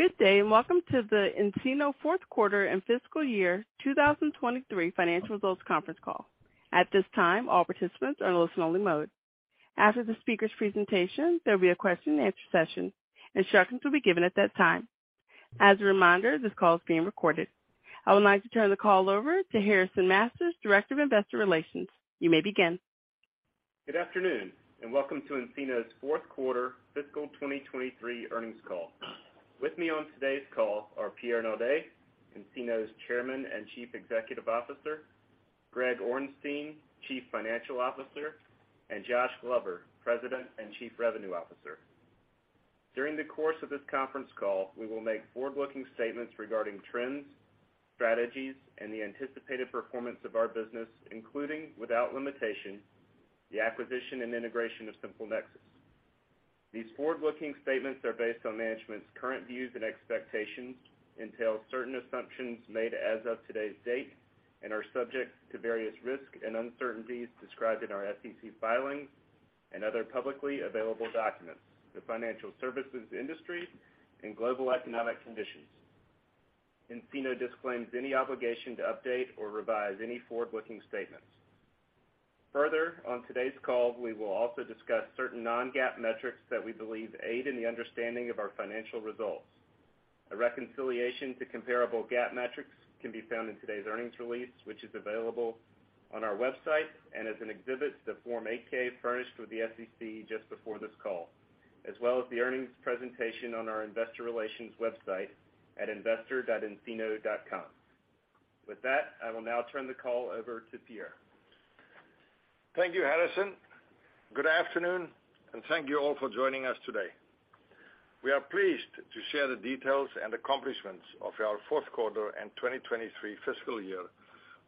Good day, welcome to the nCino fourth quarter and fiscal year 2023 financial results conference call. At this time, all participants are in listen-only mode. After the speaker's presentation, there'll be a question-and-answer session. Instructions will be given at that time. As a reminder, this call is being recorded. I would like to turn the call over to Harrison Masters, Director of Investor Relations. You may begin. Good afternoon. Welcome to nCino's fourth quarter fiscal 2023 earnings call. With me on today's call are Pierre Naudé, nCino's Chairman and Chief Executive Officer; Greg Orenstein, Chief Financial Officer; and Josh Glover, President and Chief Revenue Officer. During the course of this conference call, we will make forward-looking statements regarding trends, strategies, and the anticipated performance of our business, including, without limitation, the acquisition and integration of SimpleNexus. These forward-looking statements are based on management's current views and expectations, entail certain assumptions made as of today's date, and are subject to various risks and uncertainties described in our SEC filings and other publicly available documents, the financial services industry, and global economic conditions. nCino disclaims any obligation to update or revise any forward-looking statements. On today's call, we will also discuss certain non-GAAP metrics that we believe aid in the understanding of our financial results. A reconciliation to comparable GAAP metrics can be found in today's earnings release, which is available on our website and as an exhibit to Form 8-K furnished with the SEC just before this call, as well as the earnings presentation on our Investor Relations website at investor.ncino.com. With that, I will now turn the call over to Pierre. Thank you, Harrison. Good afternoon, thank you all for joining us today. We are pleased to share the details and accomplishments of our fourth quarter and 2023 fiscal year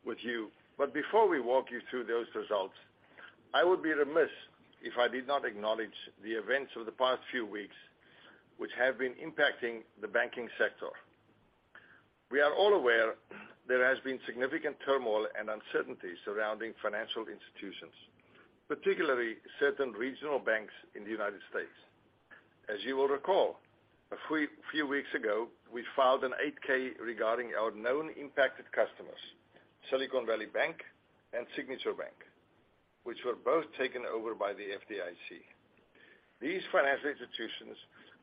with you. Before we walk you through those results, I would be remiss if I did not acknowledge the events of the past few weeks which have been impacting the banking sector. We are all aware there has been significant turmoil and uncertainty surrounding financial institutions, particularly certain regional banks in the United States. As you will recall, a few weeks ago, we filed an 8-K regarding our known impacted customers, Silicon Valley Bank and Signature Bank, which were both taken over by the FDIC. These financial institutions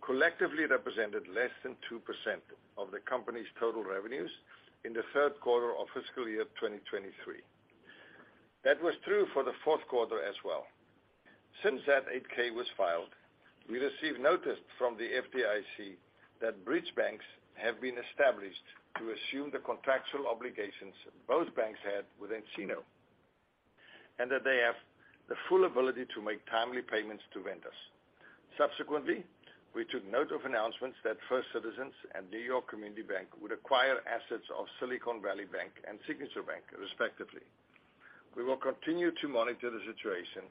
collectively represented less than 2% of the company's total revenues in the third quarter of 2023 fiscal year. That was true for the fourth quarter as well. Since that 8-K was filed, we received notice from the FDIC that bridge banks have been established to assume the contractual obligations both banks had with nCino, and that they have the full ability to make timely payments to vendors. We took note of announcements that First Citizens and New York Community Bank would acquire assets of Silicon Valley Bank and Signature Bank, respectively. We will continue to monitor the situation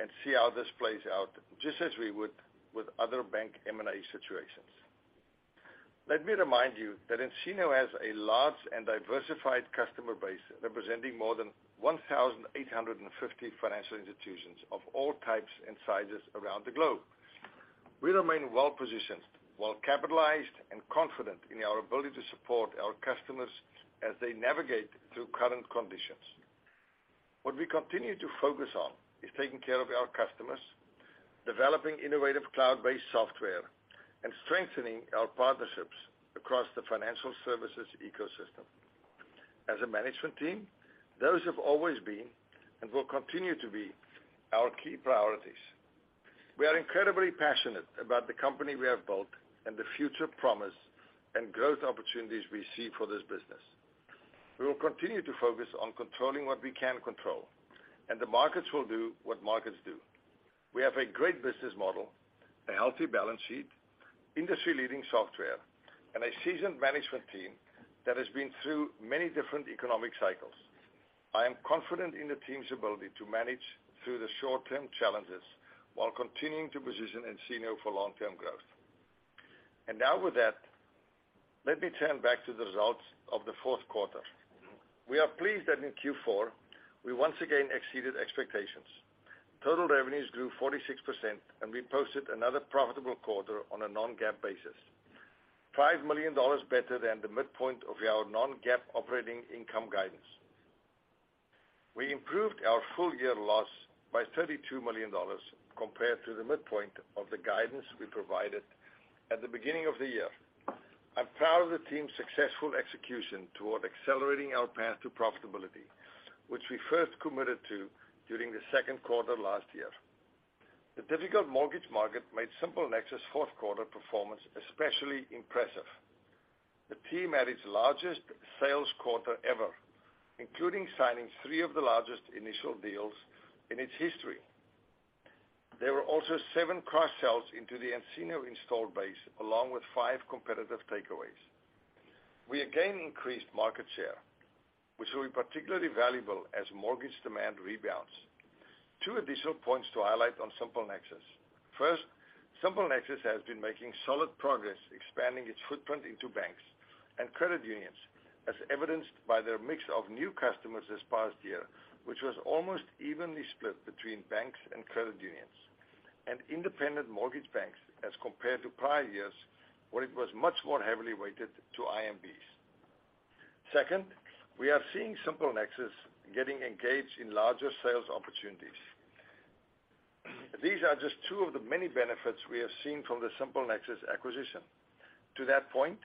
and see how this plays out just as we would with other bank M&A situations. Let me remind you that nCino has a large and diversified customer base representing more than 1,850 financial institutions of all types and sizes around the globe. We remain well-positioned, well-capitalized, and confident in our ability to support our customers as they navigate through current conditions. What we continue to focus on is taking care of our customers, developing innovative cloud-based software, and strengthening our partnerships across the financial services ecosystem. As a management team, those have always been, and will continue to be, our key priorities. We are incredibly passionate about the company we have built and the future promise and growth opportunities we see for this business. We will continue to focus on controlling what we can control, and the markets will do what markets do. We have a great business model, a healthy balance sheet, industry-leading software, and a seasoned management team that has been through many different economic cycles. I am confident in the team's ability to manage through the short-term challenges while continuing to position nCino for long-term growth. Now with that, let me turn back to the results of the fourth quarter. We are pleased that in Q4 we once again exceeded expectations. Total revenues grew 46%, and we posted another profitable quarter on a non-GAAP basis, $5 million better than the midpoint of our non-GAAP operating income guidance. We improved our full year loss by $32 million compared to the midpoint of the guidance we provided at the beginning of the year. I'm proud of the team's successful execution toward accelerating our path to profitability, which we first committed to during the second quarter last year. The difficult mortgage market made SimpleNexus' fourth quarter performance especially impressive. The team had its largest sales quarter ever, including signing three of the largest initial deals in its history. There were also seven cross-sells into the nCino installed base, along with five competitive takeaways. We again increased market share, which will be particularly valuable as mortgage demand rebounds. Two additional points to highlight on SimpleNexus. First, SimpleNexus has been making solid progress expanding its footprint into banks and credit unions, as evidenced by their mix of new customers this past year, which was almost evenly split between banks and credit unions and independent mortgage banks as compared to prior years, where it was much more heavily weighted to IMBs. Second, we are seeing SimpleNexus getting engaged in larger sales opportunities. These are just two of the many benefits we have seen from the SimpleNexus acquisition. To that point,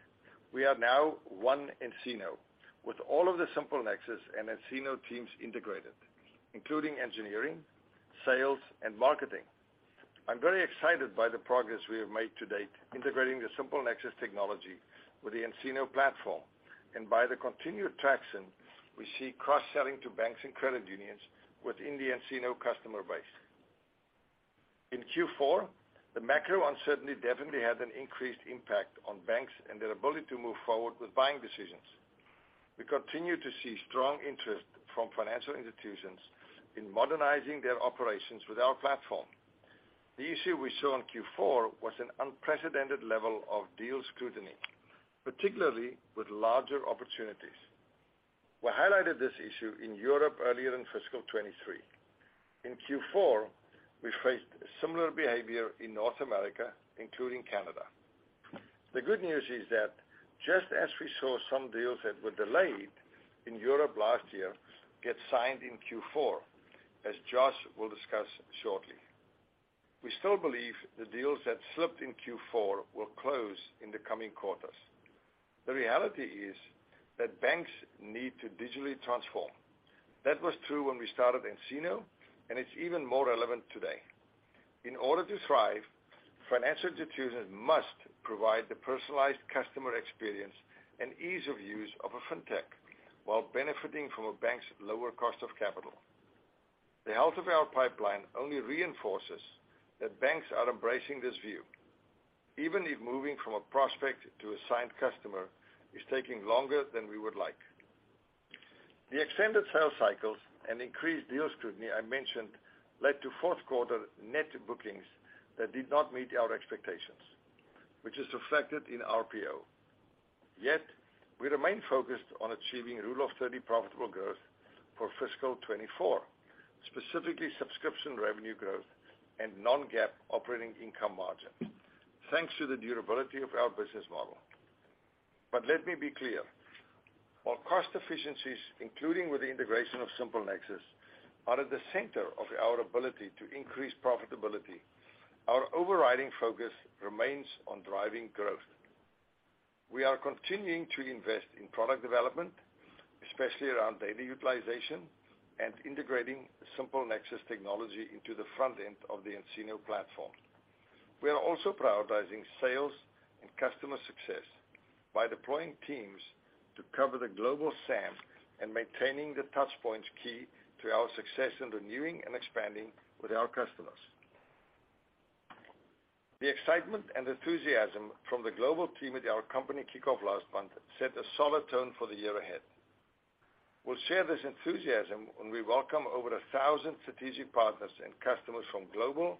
we are now one nCino, with all of the SimpleNexus and nCino teams integrated, including engineering, sales, and marketing. I'm very excited by the progress we have made to date integrating the SimpleNexus technology with the nCino platform and by the continued traction we see cross-selling to banks and credit unions within the nCino customer base. In Q4, the macro uncertainty definitely had an increased impact on banks and their ability to move forward with buying decisions. We continue to see strong interest from financial institutions in modernizing their operations with our platform. The issue we saw in Q4 was an unprecedented level of deal scrutiny, particularly with larger opportunities. We highlighted this issue in Europe earlier in fiscal 2023. In Q4, we faced similar behavior in North America, including Canada. The good news is that just as we saw some deals that were delayed in Europe last year get signed in Q4, as Josh will discuss shortly. We still believe the deals that slipped in Q4 will close in the coming quarters. The reality is that banks need to digitally transform. That was true when we started nCino, and it's even more relevant today. In order to thrive, financial institutions must provide the personalized customer experience and ease of use of a fintech while benefiting from a bank's lower cost of capital. The health of our pipeline only reinforces that banks are embracing this view, even if moving from a prospect to assigned customer is taking longer than we would like. The extended sales cycles and increased deal scrutiny I mentioned led to fourth quarter net bookings that did not meet our expectations, which is reflected in our RPO. We remain focused on achieving Rule of 30 profitable growth for fiscal 2024, specifically subscription revenue growth and non-GAAP operating income margin, thanks to the durability of our business model. Let me be clear, while cost efficiencies, including with the integration of SimpleNexus, are at the center of our ability to increase profitability, our overriding focus remains on driving growth. We are continuing to invest in product development, especially around data utilization and integrating SimpleNexus technology into the front end of the nCino platform. We are also prioritizing sales and customer success by deploying teams to cover the global SAM and maintaining the touch points key to our success in renewing and expanding with our customers. The excitement and enthusiasm from the global team at our company kickoff last month set a solid tone for the year ahead. We'll share this enthusiasm when we welcome over 1,000 strategic partners and customers from global,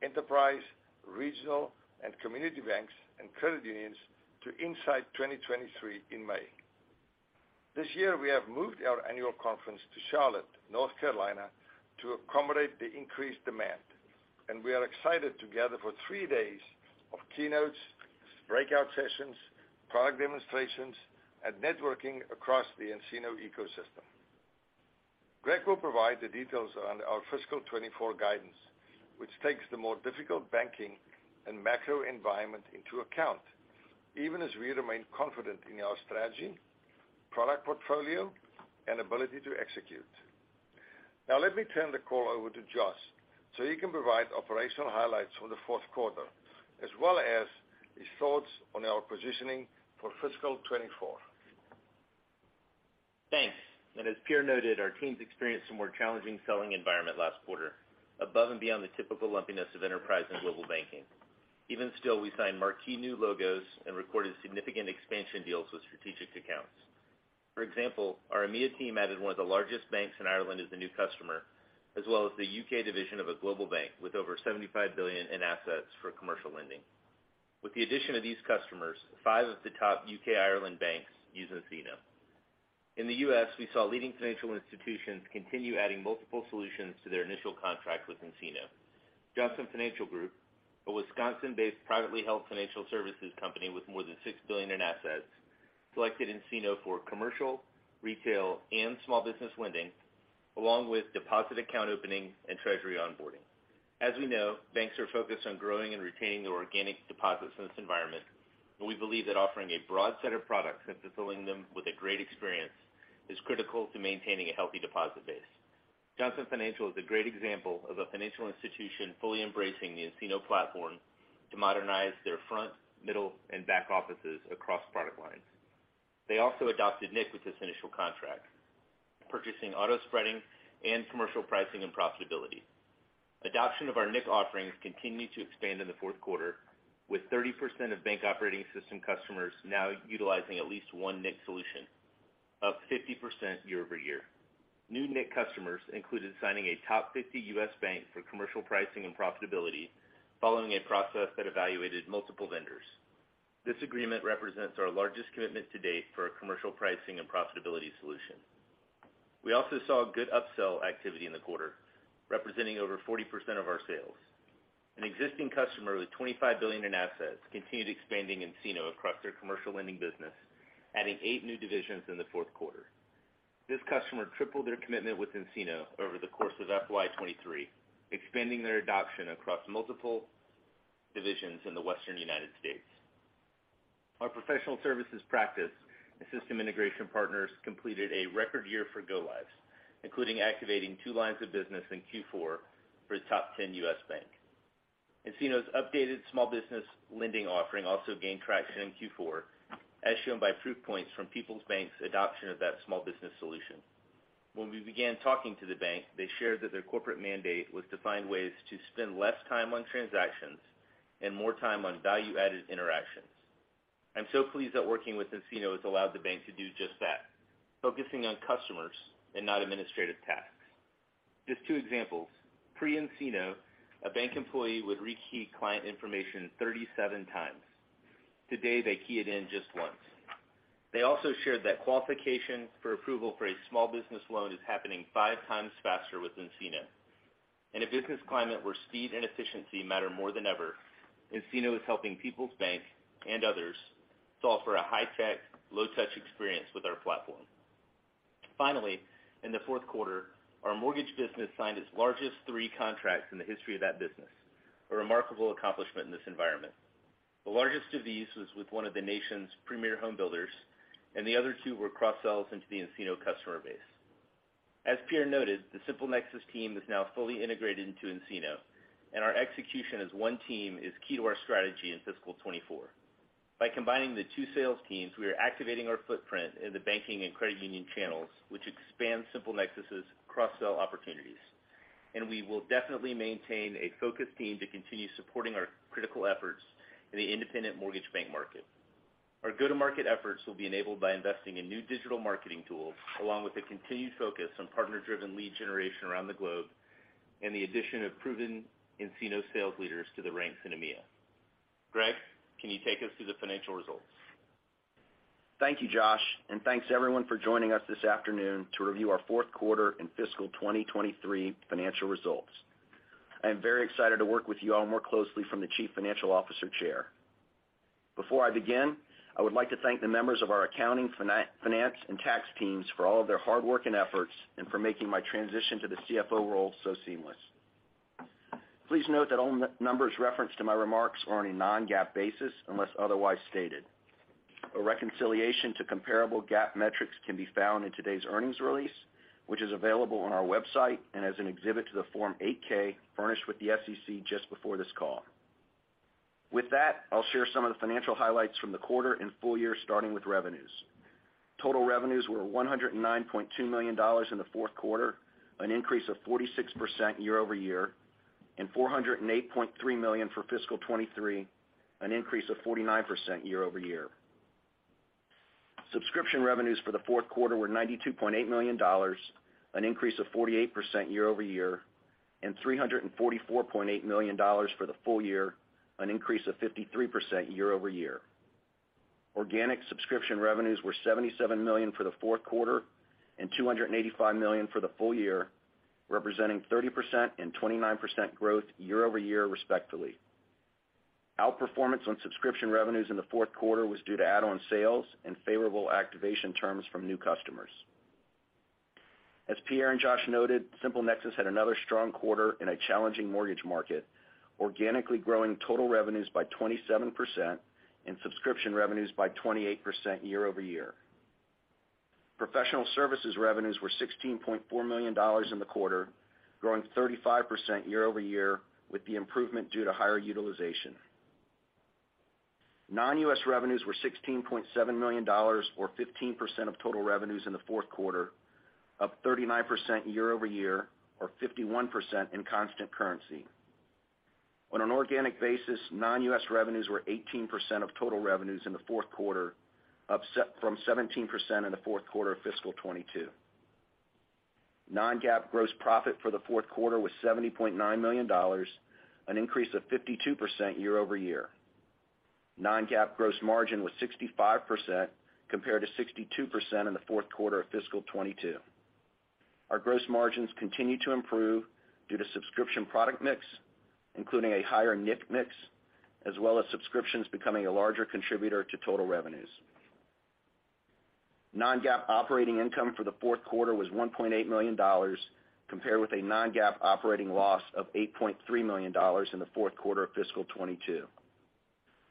enterprise, regional, and community banks and credit unions to nSight 2023 in May. This year, we have moved our annual conference to Charlotte, North Carolina, to accommodate the increased demand. We are excited to gather for three days of keynotes, breakout sessions, product demonstrations, and networking across the nCino ecosystem. Greg will provide the details on our fiscal 2024 guidance, which takes the more difficult banking and macro environment into account, even as we remain confident in our strategy, product portfolio, and ability to execute. Now let me turn the call over to Josh so he can provide operational highlights for the fourth quarter, as well as his thoughts on our positioning for fiscal 2024. Thanks. As Pierre noted, our teams experienced a more challenging selling environment last quarter above and beyond the typical lumpiness of enterprise and global banking. Even still, we signed marquee new logos and recorded significant expansion deals with strategic accounts. For example, our EMEA team added one of the largest banks in Ireland as a new customer, as well as the U.K. division of a global bank with over $75 billion in assets for commercial lending. With the addition of these customers, five of the top U.K. Ireland banks use nCino. In the U.S., we saw leading financial institutions continue adding multiple solutions to their initial contract with nCino. Johnson Financial Group, a Wisconsin-based privately held financial services company with more than $6 billion in assets, selected nCino for commercial, retail, and small business lending, along with Deposit Account Opening and Treasury Onboarding. As we know, banks are focused on growing and retaining their organic deposits in this environment. We believe that offering a broad set of products and fulfilling them with a great experience is critical to maintaining a healthy deposit base. Johnson Financial is a great example of a financial institution fully embracing the nCino platform to modernize their front, middle, and back offices across product lines. They also adopted nIQ with this initial contract, purchasing Auto Spreading and Commercial Pricing and Profitability. Adoption of our nIQ offerings continued to expand in the fourth quarter, with 30% of Bank Operating System customers now utilizing at least one nIQ solution. Up 50% year-over-year. New net customers included signing a top 50 U.S. bank for Commercial Pricing and Profitability following a process that evaluated multiple vendors. This agreement represents our largest commitment to date for a Commercial Pricing and Profitability. We also saw good upsell activity in the quarter, representing over 40% of our sales. An existing customer with $25 billion in assets continued expanding nCino across their commercial lending business, adding eight new divisions in the fourth quarter. This customer tripled their commitment with nCino over the course of FY 2023, expanding their adoption across multiple divisions in the Western United States. Our professional services practice and system integration partners completed a record year for go-lives, including activating two lines of business in Q4 for a top 10 U.S. bank. nCino's updated small business lending offering also gained traction in Q4, as shown by proof points from Peoples Bank's adoption of that small business solution. When we began talking to the bank, they shared that their corporate mandate was to find ways to spend less time on transactions and more time on value-added interactions. I'm so pleased that working with nCino has allowed the bank to do just that, focusing on customers and not administrative tasks. Just two examples. Pre nCino, a bank employee would rekey client information 37 times. Today, they key it in just once. They also shared that qualification for approval for a small business loan is happening five times faster with nCino. In a business climate where speed and efficiency matter more than ever, nCino is helping Peoples Bank and others solve for a high-tech, low-touch experience with our platform. In the fourth quarter, our mortgage business signed its largest three contracts in the history of that business, a remarkable accomplishment in this environment. The largest of these was with one of the nation's premier home builders, and the other two were cross-sells into the nCino customer base. As Pierre noted, the SimpleNexus team is now fully integrated into nCino, and our execution as one team is key to our strategy in fiscal 2024. By combining the two sales teams, we are activating our footprint in the banking and credit union channels, which expands SimpleNexus's cross-sell opportunities. We will definitely maintain a focused team to continue supporting our critical efforts in the independent mortgage bank market. Our go-to-market efforts will be enabled by investing in new digital marketing tools, along with a continued focus on partner-driven lead generation around the globe and the addition of proven nCino sales leaders to the ranks in EMEA. Greg, can you take us through the financial results? Thank you, Josh. Thanks everyone for joining us this afternoon to review our fourth quarter and fiscal 2023 financial results. I am very excited to work with you all more closely from the Chief Financial Officer chair. Before I begin, I would like to thank the members of our accounting, finance, and tax teams for all of their hard work and efforts and for making my transition to the CFO role so seamless. Please note that all numbers referenced in my remarks are on a non-GAAP basis unless otherwise stated. A reconciliation to comparable GAAP metrics can be found in today's earnings release, which is available on our website and as an exhibit to the Form 8-K furnished with the SEC just before this call. With that, I'll share some of the financial highlights from the quarter and full year, starting with revenues. Total revenues were $109.2 million in the fourth quarter, an increase of 46% year-over-year, and $408.3 million for fiscal 2023, an increase of 49% year-over-year. Subscription revenues for the fourth quarter were $92.8 million, an increase of 48% year-over-year, and $344.8 million for the full year, an increase of 53% year-over-year. Organic subscription revenues were $77 million for the fourth quarter and $285 million for the full year, representing 30% and 29% growth year-over-year, respectively. Outperformance on subscription revenues in the fourth quarter was due to add-on sales and favorable activation terms from new customers. As Pierre and Josh noted, SimpleNexus had another strong quarter in a challenging mortgage market, organically growing total revenues by 27% and subscription revenues by 28% year-over-year. Professional services revenues were $16.4 million in the quarter, growing 35% year-over-year, with the improvement due to higher utilization. Non-U.S. revenues were $16.7 million or 15% of total revenues in the fourth quarter, up 39% year-over-year or 51% in constant currency. On an organic basis, non-U.S. revenues were 18% of total revenues in the fourth quarter, up from 17% in the fourth quarter of fiscal 2022. non-GAAP gross profit for the fourth quarter was $70.9 million, an increase of 52% year-over-year. Non-GAAP gross margin was 65% compared to 62% in the fourth quarter of fiscal 2022. Our gross margins continued to improve due to subscription product mix, including a higher nIQ mix, as well as subscriptions becoming a larger contributor to total revenues. Non-GAAP operating income for the fourth quarter was $1.8 million, compared with a non-GAAP operating loss of $8.3 million in the fourth quarter of fiscal 2022.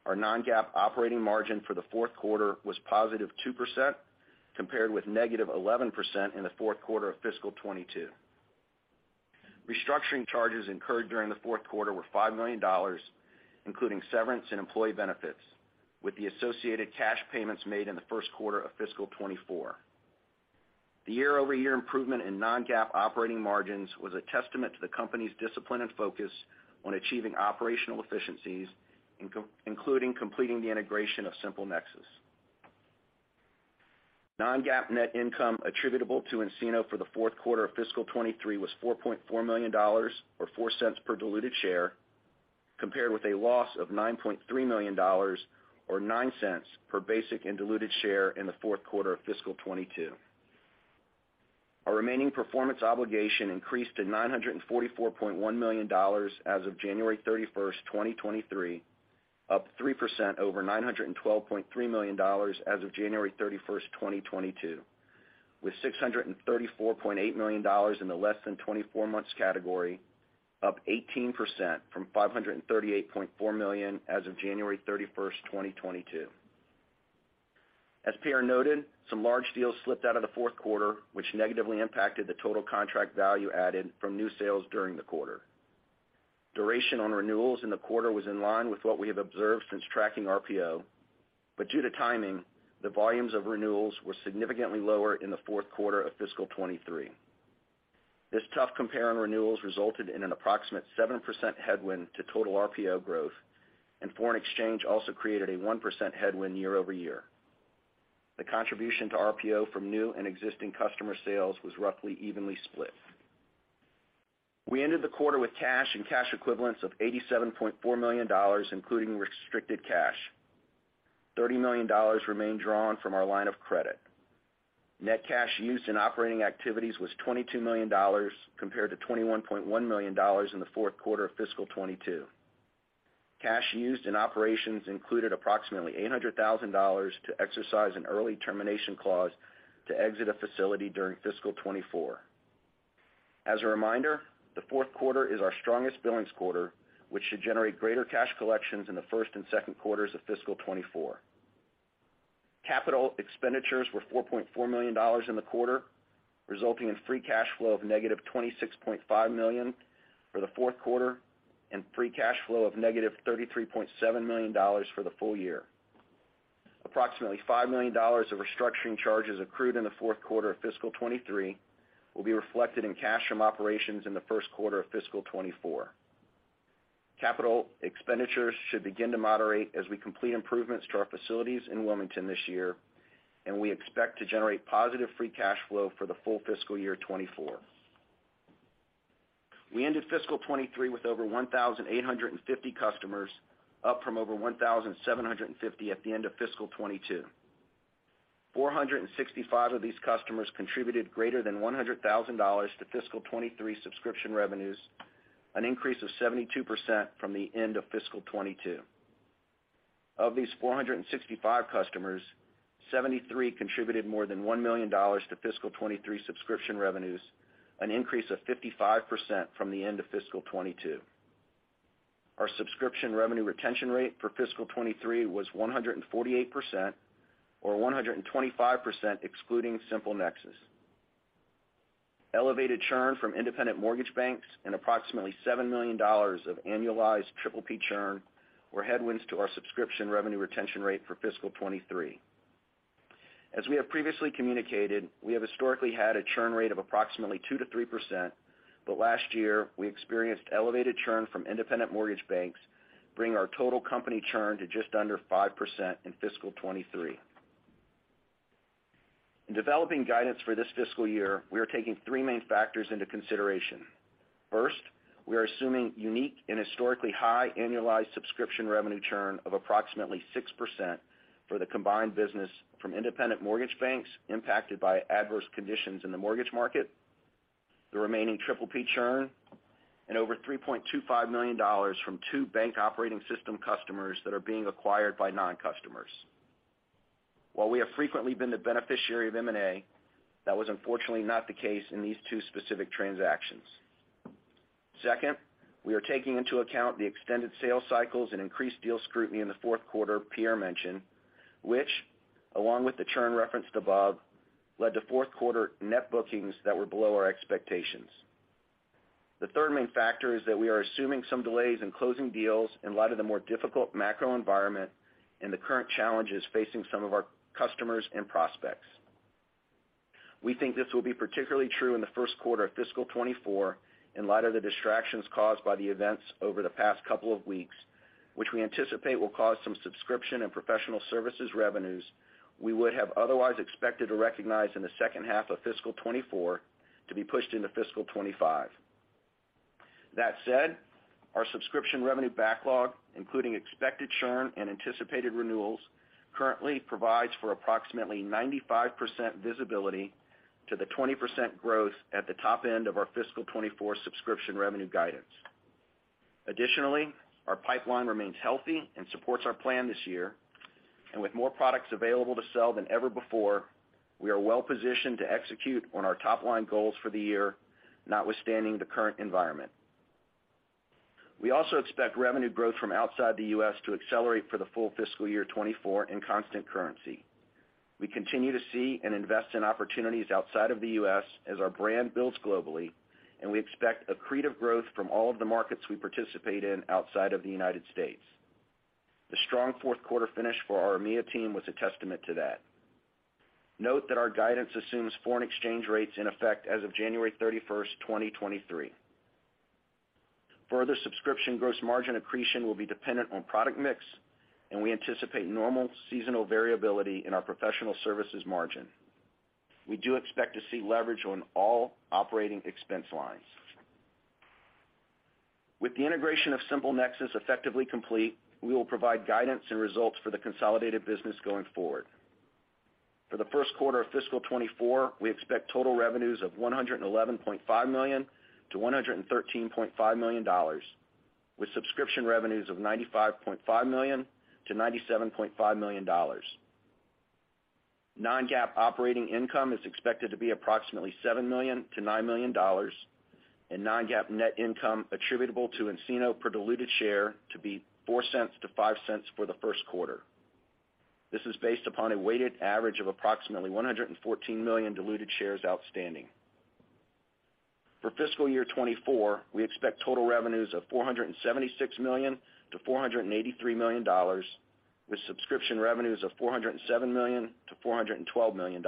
Our non-GAAP operating margin for the fourth quarter was +2%, compared with -11% in the fourth quarter of fiscal 2022. Restructuring charges incurred during the fourth quarter were $5 million, including severance and employee benefits, with the associated cash payments made in the first quarter of fiscal 2024. The year-over-year improvement in non-GAAP operating margins was a testament to the company's discipline and focus on achieving operational efficiencies, including completing the integration of SimpleNexus. non-GAAP net income attributable to nCino for the fourth quarter of fiscal 2023 was $4.4 million, or $0.04 per diluted share, compared with a loss of $9.3 million or $0.09 per basic and diluted share in the fourth quarter of fiscal 2022. Our remaining performance obligation increased to $944.1 million as of January 31, 2023, up 3% over $912.3 million as of January 31, 2022, with $634.8 million in the less than 24 months category, up 18% from $538.4 million as of January 31, 2022. As Pierre noted, some large deals slipped out of the fourth quarter, which negatively impacted the total contract value added from new sales during the quarter. Duration on renewals in the quarter was in line with what we have observed since tracking RPO. Due to timing, the volumes of renewals were significantly lower in the fourth quarter of fiscal 2023. This tough compare on renewals resulted in an approximate 7% headwind to total RPO growth. Foreign exchange also created a 1% headwind year-over-year. The contribution to RPO from new and existing customer sales was roughly evenly split. We ended the quarter with cash and cash equivalents of $87.4 million, including restricted cash. $30 million remained drawn from our line of credit. Net cash used in operating activities was $22 million compared to $21.1 million in the fourth quarter of fiscal 2022. Cash used in operations included approximately $800,000 to exercise an early termination clause to exit a facility during fiscal 2024. As a reminder, the fourth quarter is our strongest billings quarter, which should generate greater cash collections in the first and second quarters of fiscal 2024. Capital expenditures were $4.4 million in the quarter, resulting in free cash flow of -$26.5 million for the fourth quarter and free cash flow of -$33.7 million for the full year. Approximately $5 million of restructuring charges accrued in the fourth quarter of fiscal 2023 will be reflected in cash from operations in the first quarter of fiscal 2024. Capital expenditures should begin to moderate as we complete improvements to our facilities in Wilmington this year, and we expect to generate positive free cash flow for the full fiscal year 2024. We ended fiscal 2023 with over 1,850 customers, up from over 1,750 at the end of fiscal 2022. 465 of these customers contributed greater than $100,000 to fiscal 2023 subscription revenues, an increase of 72% from the end of fiscal 2022. Of these 465 customers, 73 contributed more than $1 million to fiscal 2023 subscription revenues, an increase of 55% from the end of fiscal 2022. Our subscription revenue retention rate for fiscal 2023 was 148%, or 125% excluding SimpleNexus. Elevated churn from independent mortgage banks and approximately $7 million of annualized PPP churn were headwinds to our subscription revenue retention rate for fiscal 2023. As we have previously communicated, we have historically had a churn rate of approximately 2%-3%, but last year, we experienced elevated churn from independent mortgage banks, bringing our total company churn to just under 5% in fiscal 2023. In developing guidance for this fiscal year, we are taking three main factors into consideration. First, we are assuming unique and historically high annualized subscription revenue churn of approximately 6% for the combined business from independent mortgage banks impacted by adverse conditions in the mortgage market, the remaining PPP churn, and over $3.25 million from two Bank Operating System customers that are being acquired by non-customers. While we have frequently been the beneficiary of M&A, that was unfortunately not the case in these two specific transactions. Second, we are taking into account the extended sales cycles and increased deal scrutiny in the fourth quarter Pierre mentioned, which along with the churn referenced above, led to fourth quarter net bookings that were below our expectations. The third main factor is that we are assuming some delays in closing deals in light of the more difficult macro environment and the current challenges facing some of our customers and prospects. We think this will be particularly true in the first quarter of fiscal 2024 in light of the distractions caused by the events over the past couple of weeks, which we anticipate will cause some subscription and professional services revenues we would have otherwise expected to recognize in the second half of fiscal 2024 to be pushed into fiscal 2025. That said, our subscription revenue backlog, including expected churn and anticipated renewals, currently provides for approximately 95% visibility to the 20% growth at the top end of our fiscal 2024 subscription revenue guidance. Additionally, our pipeline remains healthy and supports our plan this year. With more products available to sell than ever before, we are well positioned to execute on our top-line goals for the year, notwithstanding the current environment. We also expect revenue growth from outside the U.S. to accelerate for the full fiscal year 2024 in constant currency. We continue to see and invest in opportunities outside of the U.S. as our brand builds globally, and we expect accretive growth from all of the markets we participate in outside of the United States. The strong fourth quarter finish for our EMEA team was a testament to that. Note that our guidance assumes foreign exchange rates in effect as of January 31st, 2023. Further subscription gross margin accretion will be dependent on product mix, and we anticipate normal seasonal variability in our professional services margin. We do expect to see leverage on all operating expense lines. With the integration of SimpleNexus effectively complete, we will provide guidance and results for the consolidated business going forward. For the first quarter of fiscal 2024, we expect total revenues of $111.5 million-$113.5 million, with subscription revenues of $95.5 million-$97.5 million. Non-GAAP operating income is expected to be approximately $7 million-$9 million and non-GAAP net income attributable to nCino per diluted share to be $0.04-$0.05 for the first quarter. This is based upon a weighted average of approximately 114 million diluted shares outstanding. For fiscal year 2024, we expect total revenues of $476 million-$483 million, with subscription revenues of $407 million-$412 million.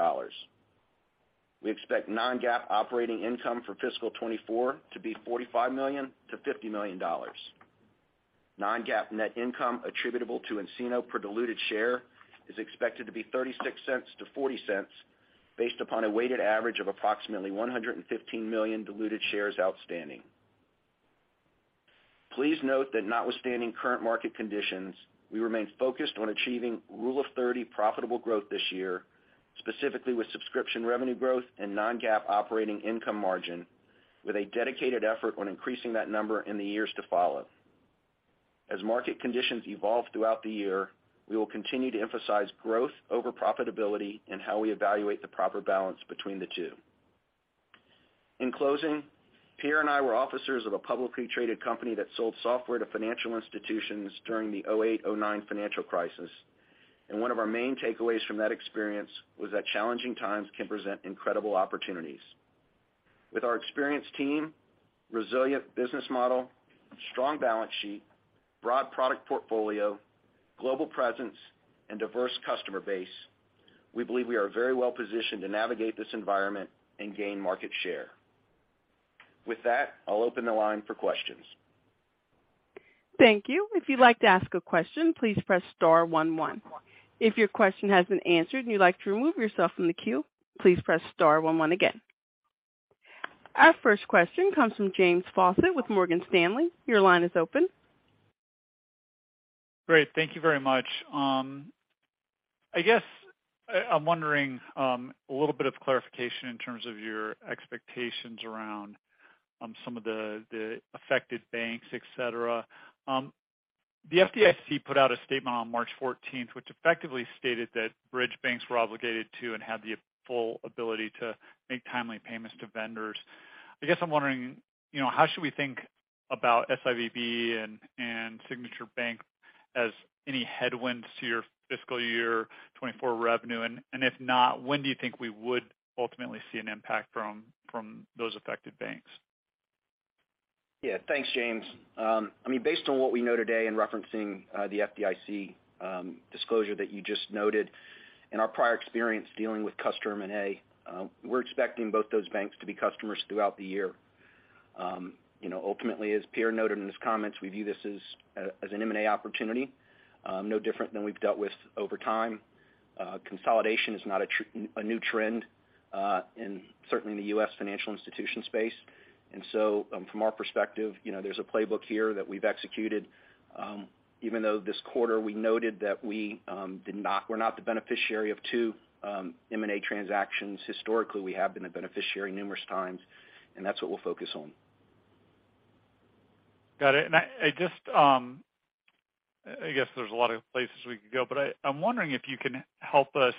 We expect non-GAAP operating income for fiscal 2024 to be $45 million-$50 million. Non-GAAP net income attributable to nCino per diluted share is expected to be $0.36-$0.40 based upon a weighted average of approximately 115 million diluted shares outstanding. Please note that notwithstanding current market conditions, we remain focused on achieving Rule of 30 profitable growth this year, specifically with subscription revenue growth and non-GAAP operating income margin, with a dedicated effort on increasing that number in the years to follow. As market conditions evolve throughout the year, we will continue to emphasize growth over profitability and how we evaluate the proper balance between the two. In closing, Pierre and I were officers of a publicly-traded company that sold software to financial institutions during the 2008, 2009 financial crisis, and one of our main takeaways from that experience was that challenging times can present incredible opportunities. With our experienced team, resilient business model, strong balance sheet, broad product portfolio, global presence, and diverse customer base, we believe we are very well positioned to navigate this environment and gain market share. With that, I'll open the line for questions. Thank you. If you'd like to ask a question, please press star one one. If your question has been answered and you'd like to remove yourself from the queue, please press star one one again. Our first question comes from James Faucette with Morgan Stanley. Your line is open. Great. Thank you very much. I'm wondering a little bit of clarification in terms of your expectations around some of the affected banks, et cetera. The FDIC put out a statement on March 14th, which effectively stated that bridge banks were obligated to and have the full ability to make timely payments to vendors. I guess I'm wondering, you know, how should we think about SIVB and Signature Bank as any headwinds to your fiscal year 2024 revenue? If not, when do you think we would ultimately see an impact from those affected banks? Thanks, James. I mean, based on what we know today and referencing the FDIC disclosure that you just noted, in our prior experience dealing with customer M&A, we're expecting both those banks to be customers throughout the year. You know, ultimately, as Pierre noted in his comments, we view this as an M&A opportunity, no different than we've dealt with over time. Consolidation is not a new trend, certainly in the U.S. financial institution space. From our perspective, you know, there's a playbook here that we've executed. Even though this quarter we noted that we're not the beneficiary of two M&A transactions. Historically, we have been a beneficiary numerous times, and that's what we'll focus on. Got it. I just, I guess there's a lot of places we could go, but I'm wondering if you can help us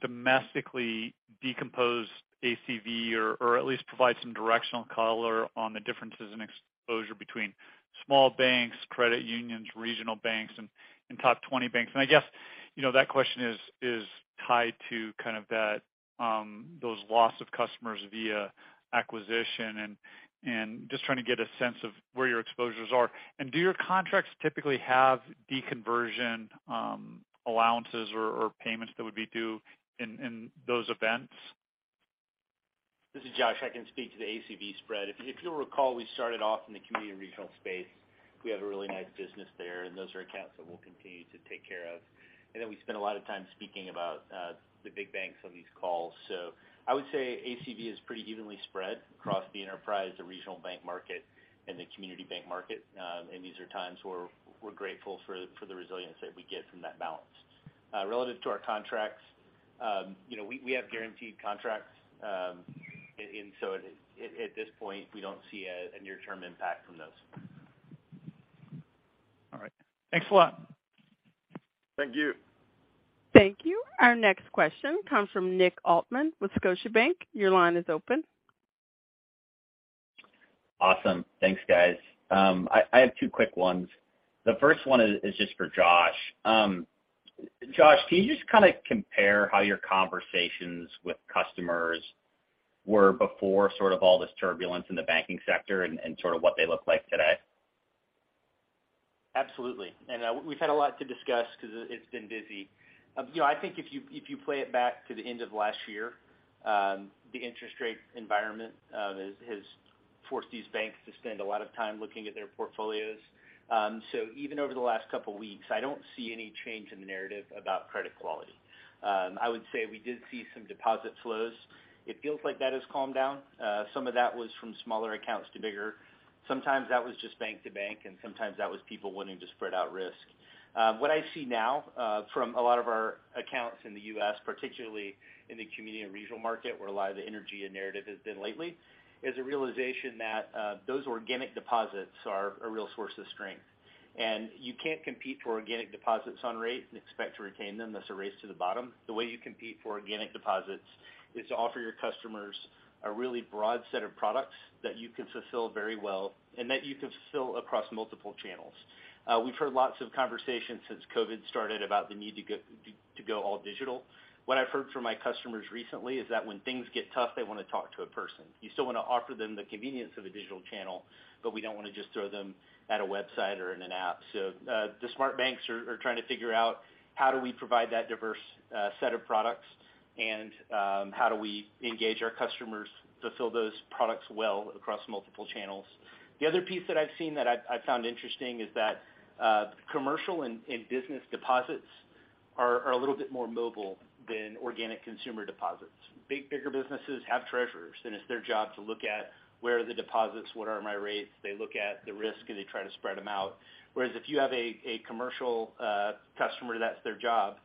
domestically decompose ACV or at least provide some directional color on the differences in exposure between small banks, credit unions, regional banks, and top 20 banks. I guess, you know, that question is tied to kind of that, those loss of customers via acquisition and just trying to get a sense of where your exposures are. Do your contracts typically have deconversion allowances or payments that would be due in those events? This is Josh. I can speak to the ACV spread. If you'll recall, we started off in the community regional space. We have a really nice business there, and those are accounts that we'll continue to take care of. I know we spend a lot of time speaking about the big banks on these calls. I would say ACV is pretty evenly spread across the enterprise, the regional bank market and the community bank market. These are times where we're grateful for the resilience that we get from that balance. Relative to our contracts, you know, we have guaranteed contracts, at this point, we don't see a near-term impact from those. All right. Thanks a lot. Thank you. Thank you. Our next question comes from Nick Altmann with Scotiabank. Your line is open. Awesome. Thanks, guys. I have two quick ones. The first one is just for Josh. Josh, can you just kind of compare how your conversations with customers were before sort of all this turbulence in the banking sector and sort of what they look like today? Absolutely. We've had a lot to discuss 'cause it's been busy. You know, I think if you, if you play it back to the end of last year, the interest rate environment has forced these banks to spend a lot of time looking at their portfolios. Even over the last couple weeks, I don't see any change in the narrative about credit quality. I would say we did see some deposit flows. It feels like that has calmed down. Some of that was from smaller accounts to bigger. Sometimes that was just bank to bank, and sometimes that was people wanting to spread out risk. What I see now, from a lot of our accounts in the U.S., particularly in the community and regional market where a lot of the energy and narrative has been lately, is a realization that those organic deposits are a real source of strength. You can't compete for organic deposits on rate and expect to retain them. That's a race to the bottom. The way you compete for organic deposits is to offer your customers a really broad set of products that you can fulfill very well and that you can fulfill across multiple channels. We've heard lots of conversations since COVID started about the need to go all digital. What I've heard from my customers recently is that when things get tough, they wanna talk to a person. You still wanna offer them the convenience of a digital channel, but we don't wanna just throw them at a website or in an app. The smart banks are trying to figure out how do we provide that diverse set of products and how do we engage our customers to fill those products well across multiple channels. The other piece that I've seen that I've found interesting is that commercial and business deposits are a little bit more mobile than organic consumer deposits. Bigger businesses have treasurers, and it's their job to look at where are the deposits, what are my rates. They look at the risk, and they try to spread them out. If you have a commercial customer, that's their job.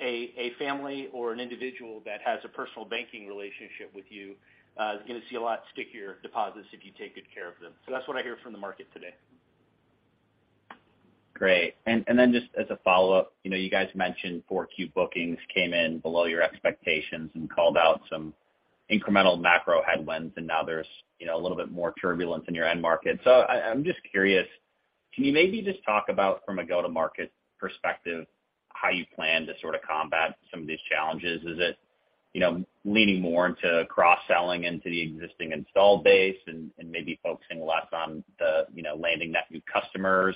A family or an individual that has a personal banking relationship with you, is gonna see a lot stickier deposits if you take good care of them. That's what I hear from the market today. Great. Then just as a follow-up, you know, you guys mentioned 4Q bookings came in below your expectations and called out some incremental macro headwinds, now there's, you know, a little bit more turbulence in your end market. I'm just curious, can you maybe just talk about from a go-to-market perspective how you plan to sort of combat some of these challenges? Is it, you know, leaning more into cross-selling into the existing installed base and maybe focusing less on the, you know, landing net new customers?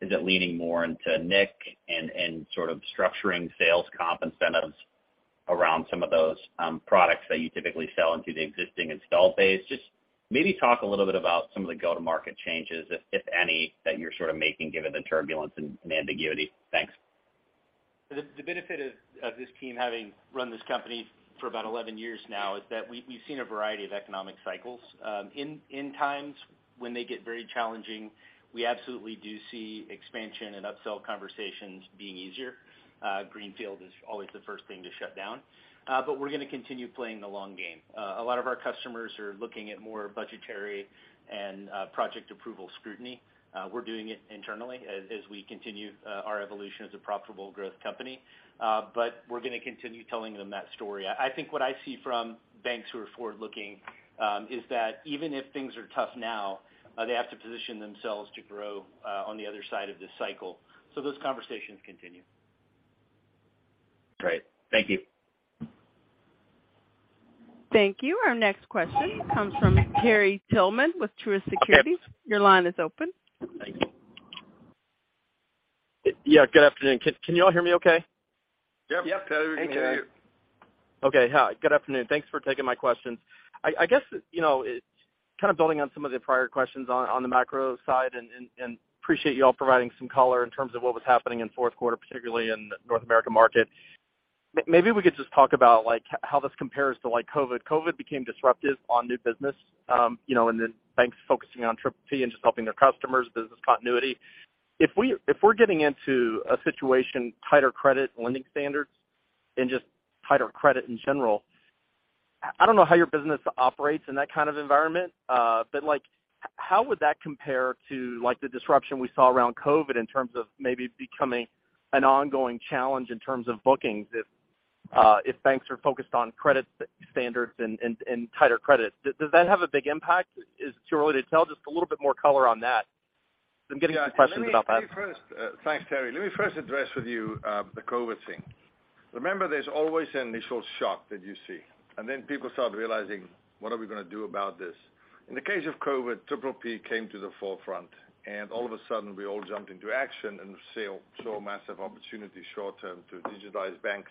Is it leaning more into nIQ and sort of structuring sales comp incentives around some of those products that you typically sell into the existing installed base? Just maybe talk a little bit about some of the go-to-market changes, if any, that you're sort of making given the turbulence and ambiguity. Thanks. The benefit of this team having run this company for about 11 years now is that we've seen a variety of economic cycles. In times when they get very challenging, we absolutely do see expansion and upsell conversations being easier. Greenfield is always the first thing to shut down. We're gonna continue playing the long game. A lot of our customers are looking at more budgetary and project approval scrutiny. We're doing it internally as we continue our evolution as a profitable growth company. We're gonna continue telling them that story. I think what I see from banks who are forward-looking, is that even if things are tough now, they have to position themselves to grow on the other side of this cycle. Those conversations continue. Great. Thank you. Thank you. Our next question comes from Terry Tillman with Truist Securities. Your line is open. Thank you. Yeah, good afternoon. Can you all hear me okay? Yep. Yep, Terry. We can hear you. Okay. Hi, good afternoon. Thanks for taking my questions. I guess, you know, kind of building on some of the prior questions on the macro side and appreciate you all providing some color in terms of what was happening in fourth quarter, particularly in the North America market. Maybe we could just talk about like how this compares to like COVID. COVID became disruptive on new business, you know, and then banks focusing on PPP and just helping their customers, business continuity. If we're getting into a situation, tighter credit lending standards and just tighter credit in general, I don't know how your business operates in that kind of environment, but like how would that compare to like the disruption we saw around COVID in terms of maybe becoming an ongoing challenge in terms of bookings if banks are focused on credit standards and tighter credit? Does that have a big impact? Is it too early to tell? Just a little bit more color on that 'cause I'm getting some questions about that. Let me first, thanks, Terry. Let me first address with you, the COVID thing. Remember, there's always an initial shock that you see, and then people start realizing, "What are we gonna do about this?" In the case of COVID, PPP came to the forefront, and all of a sudden we all jumped into action and saw massive opportunity short term to digitize banks,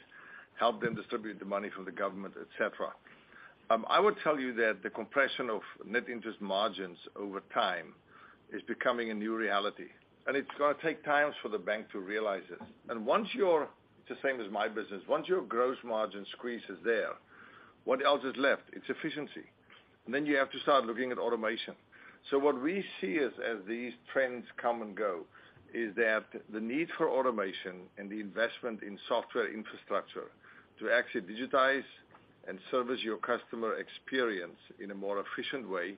help them distribute the money from the government, et cetera. I would tell you that the compression of net interest margins over time is becoming a new reality, and it's gonna take times for the bank to realize this. Once your... it's the same as my business. Once your gross margin squeeze is there, what else is left? It's efficiency. Then you have to start looking at automation. What we see as these trends come and go is that the need for automation and the investment in software infrastructure to actually digitize and service your customer experience in a more efficient way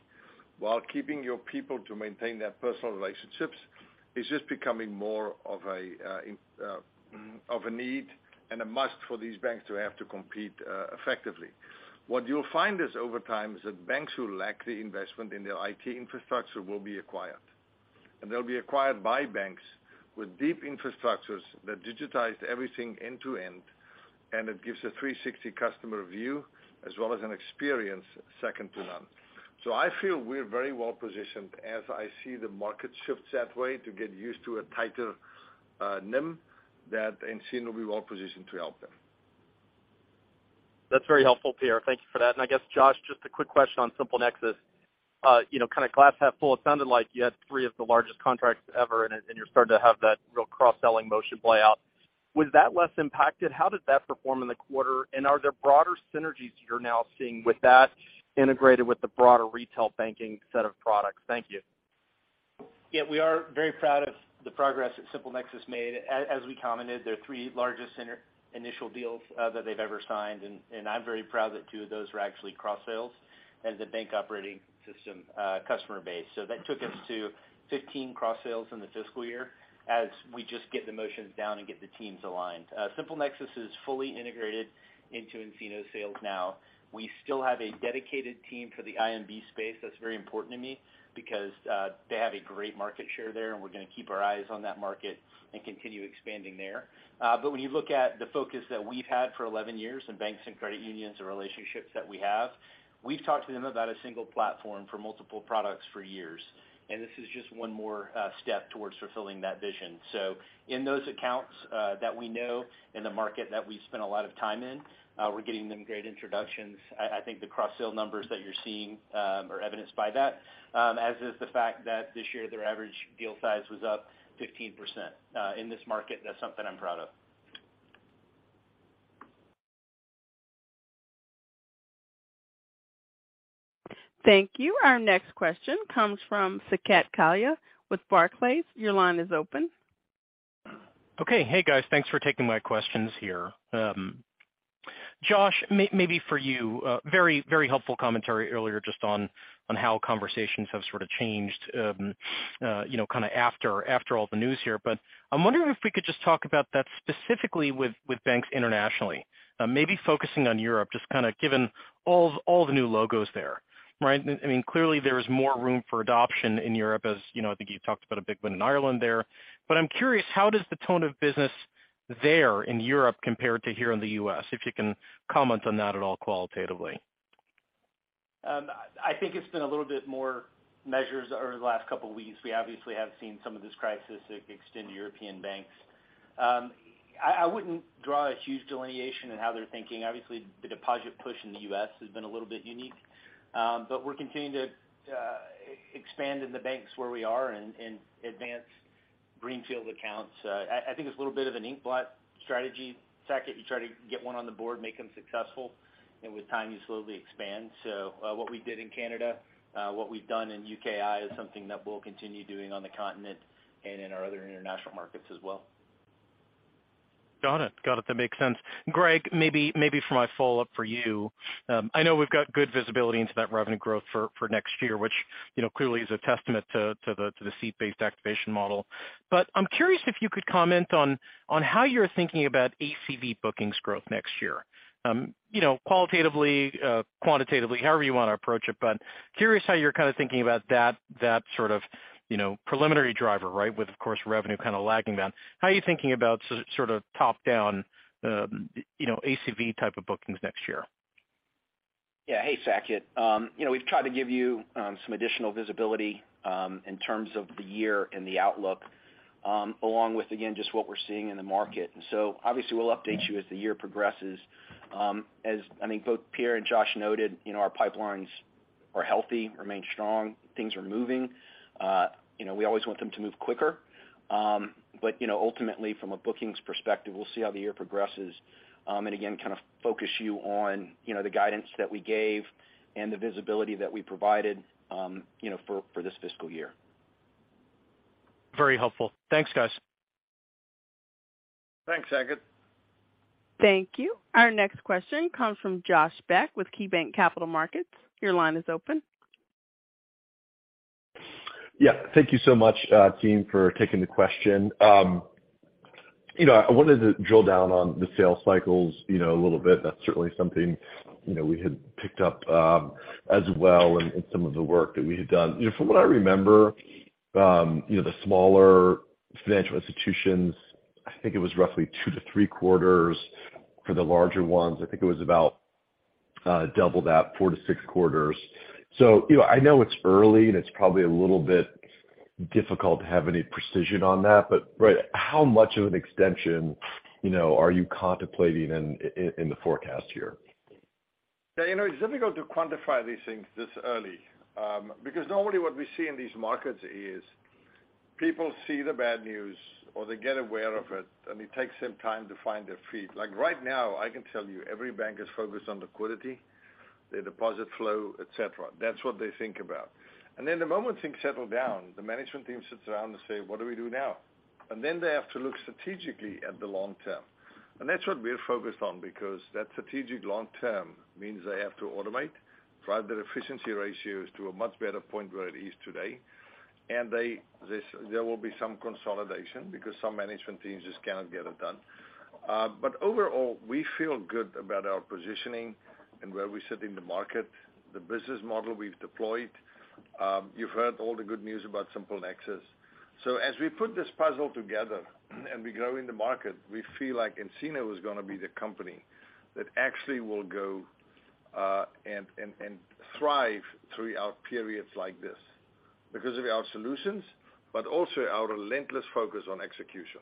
while keeping your people to maintain their personal relationships is just becoming more of a need and a must for these banks to have to compete effectively. What you'll find is over time is that banks who lack the investment in their IT infrastructure will be acquired. They'll be acquired by banks with deep infrastructures that digitize everything end-to-end, and it gives a 360 customer view as well as an experience second to none. I feel we're very well-positioned as I see the market shifts that way to get used to a tighter NIM that nCino will be well-positioned to help them. That's very helpful, Pierre. Thank you for that. I guess, Josh, just a quick question on SimpleNexus. You know, kind of glass half full, it sounded like you had three of the largest contracts ever, and you're starting to have that real cross-selling motion play out. Was that less impacted? How did that perform in the quarter? Are there broader synergies you're now seeing with that integrated with the broader retail banking set of products? Thank you. Yeah, we are very proud of the progress that SimpleNexus made. As we commented, their three largest initial deals that they've ever signed, and I'm very proud that two of those are actually cross-sales as a Bank Operating System customer base. That took us to 15 cross-sales in the fiscal year as we just get the motions down and get the teams aligned. SimpleNexus is fully integrated into nCino sales now. We still have a dedicated team for the IMB space. That's very important to me because they have a great market share there, and we're gonna keep our eyes on that market and continue expanding there. When you look at the focus that we've had for 11 years in banks and credit unions or relationships that we have, we've talked to them about a single platform for multiple products for years. This is just one more step towards fulfilling that vision. In those accounts that we know in the market that we spend a lot of time in, we're getting them great introductions. I think the cross-sale numbers that you're seeing are evidenced by that, as is the fact that this year their average deal size was up 15%. In this market, that's something I'm proud of. Thank you. Our next question comes from Saket Kalia with Barclays. Your line is open. Okay. Hey, guys, thanks for taking my questions here. Josh, maybe for you, very helpful commentary earlier just on how conversations have sort of changed, you know, kinda after all the news here. I'm wondering if we could just talk about that specifically with banks internationally, maybe focusing on Europe, just kinda given all the new logos there, right? I mean, clearly there is more room for adoption in Europe, as you know, I think you talked about a big win in Ireland there. I'm curious, how does the tone of business there in Europe compare to here in the U.S., if you can comment on that at all qualitatively? I think it's been a little bit more measures over the last couple weeks. We obviously have seen some of this crisis extend to European banks. I wouldn't draw a huge delineation in how they're thinking. Obviously, the deposit push in the U.S. has been a little bit unique, but we're continuing to expand in the banks where we are and advance greenfield accounts. I think it's a little bit of an ink blot strategy, Saket. You try to get one on the board, make them successful, and with time, you slowly expand. What we did in Canada, what we've done in UKI is something that we'll continue doing on the continent and in our other international markets as well. Got it. Got it. That makes sense. Greg, maybe for my follow-up for you. I know we've got good visibility into that revenue growth for next year, which, you know, clearly is a testament to the seat-based activation model. I'm curious if you could comment on how you're thinking about ACV bookings growth next year. You know, qualitatively, quantitatively, however you wanna approach it, but curious how you're kinda thinking about that sort of, you know, preliminary driver, right? With, of course, revenue kinda lagging that. How are you thinking about sort of top-down, you know, ACV-type of bookings next year? Yeah. Hey, Saket. you know, we've tried to give you some additional visibility in terms of the year and the outlook, along with, again, just what we're seeing in the market. Obviously we'll update you as the year progresses. As I think both Pierre and Josh noted, you know, our pipelines are healthy, remain strong, things are moving. you know, we always want them to move quicker. you know, ultimately from a bookings perspective, we'll see how the year progresses, again, kind of focus you on, you know, the guidance that we gave and the visibility that we provided, you know, for this fiscal year. Very helpful. Thanks, guys. Thanks, Saket. Thank you. Our next question comes from Josh Beck with KeyBanc Capital Markets. Your line is open. Yeah. Thank you so much, team for taking the question. You know, I wanted to drill down on the sales cycles, you know, a little bit. That's certainly something, you know, we had picked up as well in some of the work that we had done. You know, from what I remember, you know, the smaller financial institutions, I think it was roughly two-three quarters for the larger ones. I think it was about double that, four-six quarters. You know, I know it's early and it's probably a little bit difficult to have any precision on that, but how much of an extension, you know, are you contemplating in, in the forecast here? Yeah, you know, it's difficult to quantify these things this early, because normally what we see in these markets is people see the bad news or they get aware of it, and it takes some time to find their feet. Like, right now, I can tell you every bank is focused on liquidity, their deposit flow, et cetera. That's what they think about. The moment things settle down, the management team sits around and say, "What do we do now?" They have to look strategically at the long term. That's what we're focused on because that strategic long term means they have to automate, drive their efficiency ratios to a much better point where it is today. There will be some consolidation because some management teams just cannot get it done. Overall, we feel good about our positioning and where we sit in the market, the business model we've deployed. You've heard all the good news about SimpleNexus. As we put this puzzle together and we grow in the market, we feel like nCino is gonna be the company that actually will go and thrive throughout periods like this because of our solutions, but also our relentless focus on execution.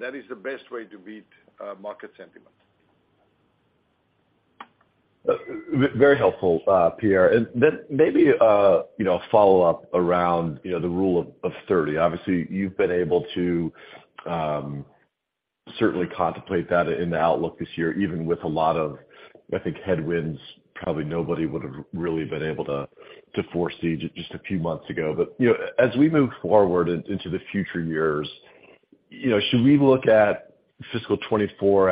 That is the best way to beat market sentiment. Very helpful, Pierre. Then maybe, you know, a follow-up around, you know, the Rule of 30. Obviously, you've been able to certainly contemplate that in the outlook this year, even with a lot of, I think, headwinds, probably nobody would have really been able to foresee just a few months ago. You know, as we move forward into the future years, you know, should we look at fiscal 2024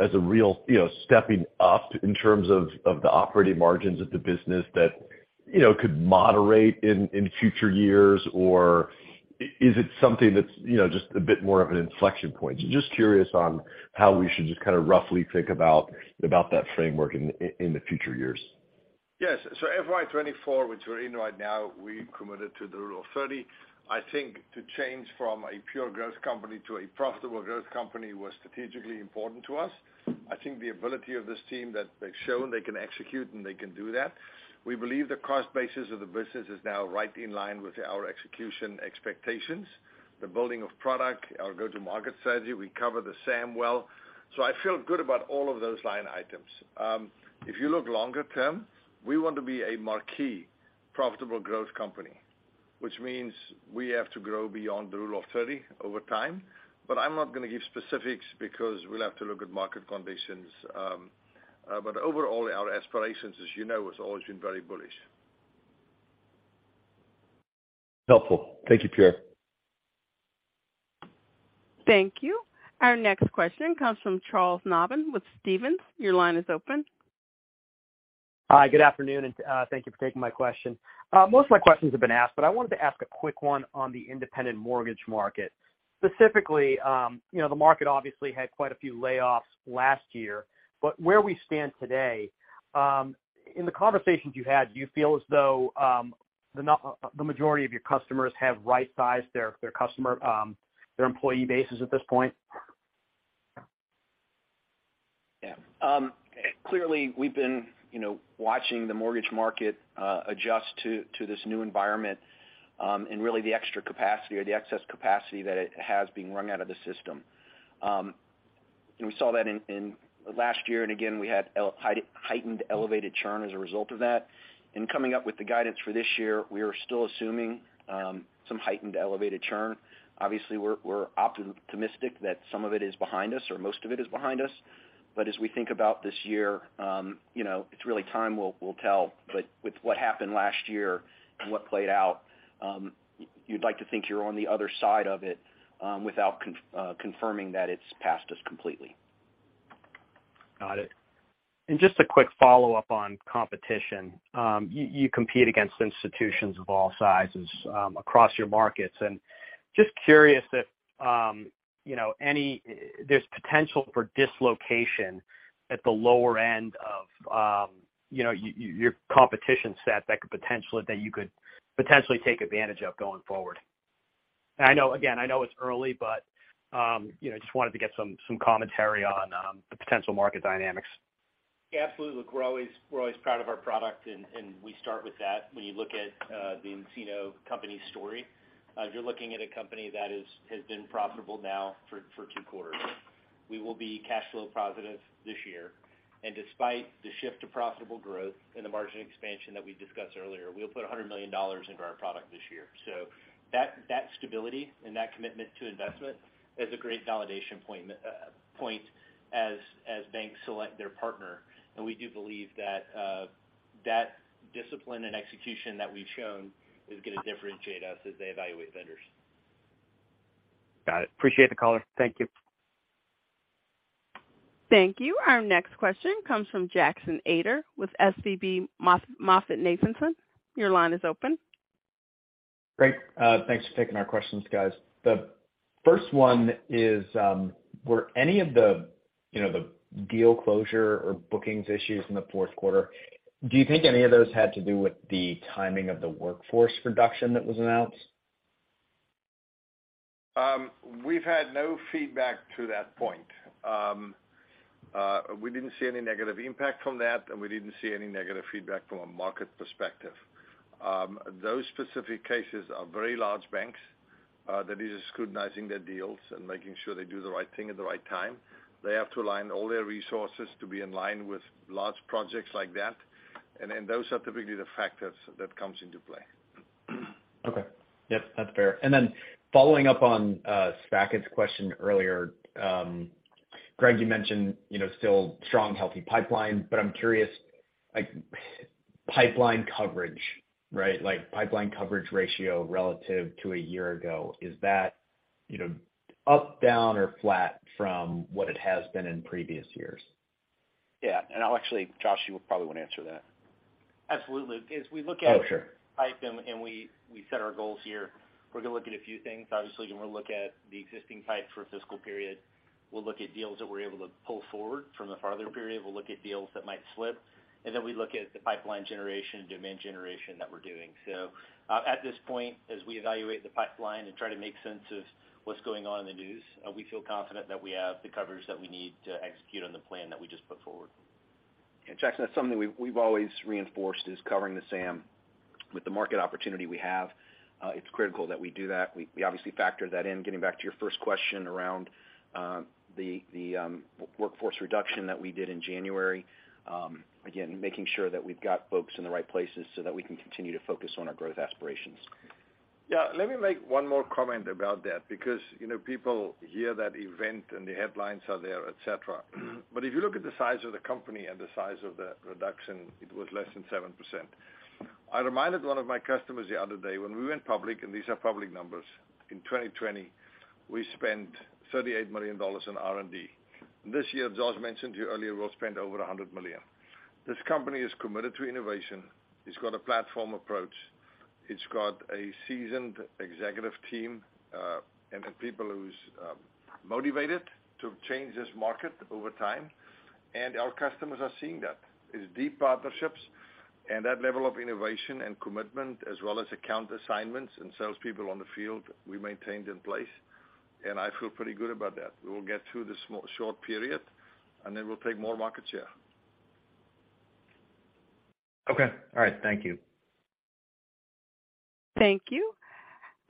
as a real, you know, stepping up in terms of the operating margins of the business that, you know, could moderate in future years? Or is it something that's, you know, just a bit more of an inflection point? Just curious on how we should just kinda roughly think about that framework in the future years. Yes. FY24, which we're in right now, we committed to the Rule of 30. I think to change from a pure growth company to a profitable growth company was strategically important to us. I think the ability of this team that they've shown they can execute and they can do that. We believe the cost basis of the business is now right in line with our execution expectations. The building of product, our go-to-market strategy, we cover the same well. I feel good about all of those line items. If you look longer term, we want to be a marquee profitable growth company, which means we have to grow beyond the Rule of 30 over time. I'm not gonna give specifics because we'll have to look at market conditions. Overall, our aspirations, as you know, has always been very bullish. Helpful. Thank you, Pierre. Thank you. Our next question comes from Charles Nabhan with Stephens. Your line is open. Hi, good afternoon, and thank you for taking my question. Most of my questions have been asked, but I wanted to ask a quick one on the independent mortgage market. Specifically, you know, the market obviously had quite a few layoffs last year, but where we stand today, in the conversations you had, do you feel as though the majority of your customers have right-sized their employee bases at this point? Yeah. Clearly, we've been, you know, watching the mortgage market, adjust to this new environment, and really the extra capacity or the excess capacity that it has being rung out of the system. And we saw that in last year, and again, we had heightened elevated churn as a result of that. In coming up with the guidance for this year, we are still assuming, some heightened elevated churn. Obviously, we're optimistic that some of it is behind us or most of it is behind us. As we think about this year, you know, it's really time will tell. With what happened last year and what played out, you'd like to think you're on the other side of it, without confirming that it's passed us completely. Got it. Just a quick follow-up on competition. You compete against institutions of all sizes across your markets. Just curious if, you know, there's potential for dislocation at the lower end of, you know, your competition set that you could potentially take advantage of going forward. I know, again, I know it's early, but, you know, just wanted to get some commentary on the potential market dynamics. Yeah, absolutely. Look, we're always proud of our product, and we start with that. When you look at the nCino company story, you're looking at a company that has been profitable now for two quarters. We will be cash flow positive this year. Despite the shift to profitable growth and the margin expansion that we discussed earlier, we'll put $100 million into our product this year. That, that stability and that commitment to investment is a great validation point as banks select their partner. We do believe that discipline and execution that we've shown is gonna differentiate us as they evaluate vendors. Got it. Appreciate the color. Thank you. Thank you. Our next question comes from Jackson Ader with SVB MoffettNathanson. Your line is open. Great. Thanks for taking our questions, guys. The first one is, were any of the, you know, the deal closure or bookings issues in the fourth quarter, do you think any of those had to do with the timing of the workforce reduction that was announced? We've had no feedback to that point. We didn't see any negative impact from that, and we didn't see any negative feedback from a market perspective. Those specific cases are very large banks that is scrutinizing their deals and making sure they do the right thing at the right time. They have to align all their resources to be in line with large projects like that. Those are typically the factors that comes into play. Okay. Yep, that's fair. Following up on Saket's question earlier, Greg, you mentioned, you know, still strong, healthy pipeline, but I'm curious, like pipeline coverage, right? Like pipeline coverage ratio relative to a year ago, is that, you know, up, down, or flat from what it has been in previous years? Yeah. Josh, you probably wanna answer that. Absolutely. As we look at pipe and we set our goals here, we're gonna look at a few things. Obviously, we're gonna look at the existing pipe for a fiscal period. We'll look at deals that we're able to pull forward from the farther period. We'll look at deals that might slip, and then we look at the pipeline generation, demand generation that we're doing. At this point, as we evaluate the pipeline and try to make sense of what's going on in the news, we feel confident that we have the coverage that we need to execute on the plan that we just put forward. Yeah, Jackson, that's something we've always reinforced is covering the SAM. With the market opportunity we have, it's critical that we do that. We obviously factor that in. Getting back to your first question around the workforce reduction that we did in January. Again, making sure that we've got folks in the right places so that we can continue to focus on our growth aspirations. Yeah. Let me make one more comment about that because, you know, people hear that event and the headlines are there, et cetera. If you look at the size of the company and the size of the reduction, it was less than 7%. I reminded one of my customers the other day when we went public, and these are public numbers, in 2020, we spent $38 million in R&D. This year, Josh mentioned to you earlier, we'll spend over $100 million. This company is committed to innovation. It's got a platform approach. It's got a seasoned executive team, and a people who's motivated to change this market over time. Our customers are seeing that. It's deep partnerships and that level of innovation and commitment, as well as account assignments and salespeople on the field we maintained in place. I feel pretty good about that. We will get through this short period, and then we'll take more market share. Okay. All right. Thank you. Thank you.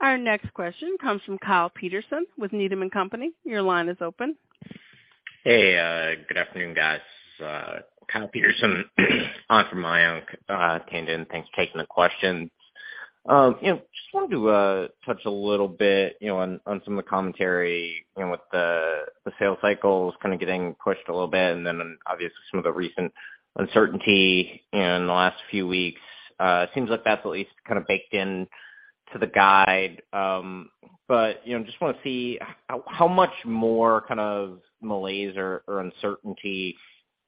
Our next question comes from Kyle Peterson with Needham & Company. Your line is open. Hey, good afternoon, guys. Kyle Peterson on from Mayank Tandon, thanks for taking the questions. You know, just wanted to touch a little bit, you know, on some of the commentary, you know, with the sales cycles kinda getting pushed a little bit, and then obviously some of the recent uncertainty in the last few weeks. It seems like that's at least kind of baked into the guide. You know, just wanna see how much more kind of malaise or uncertainty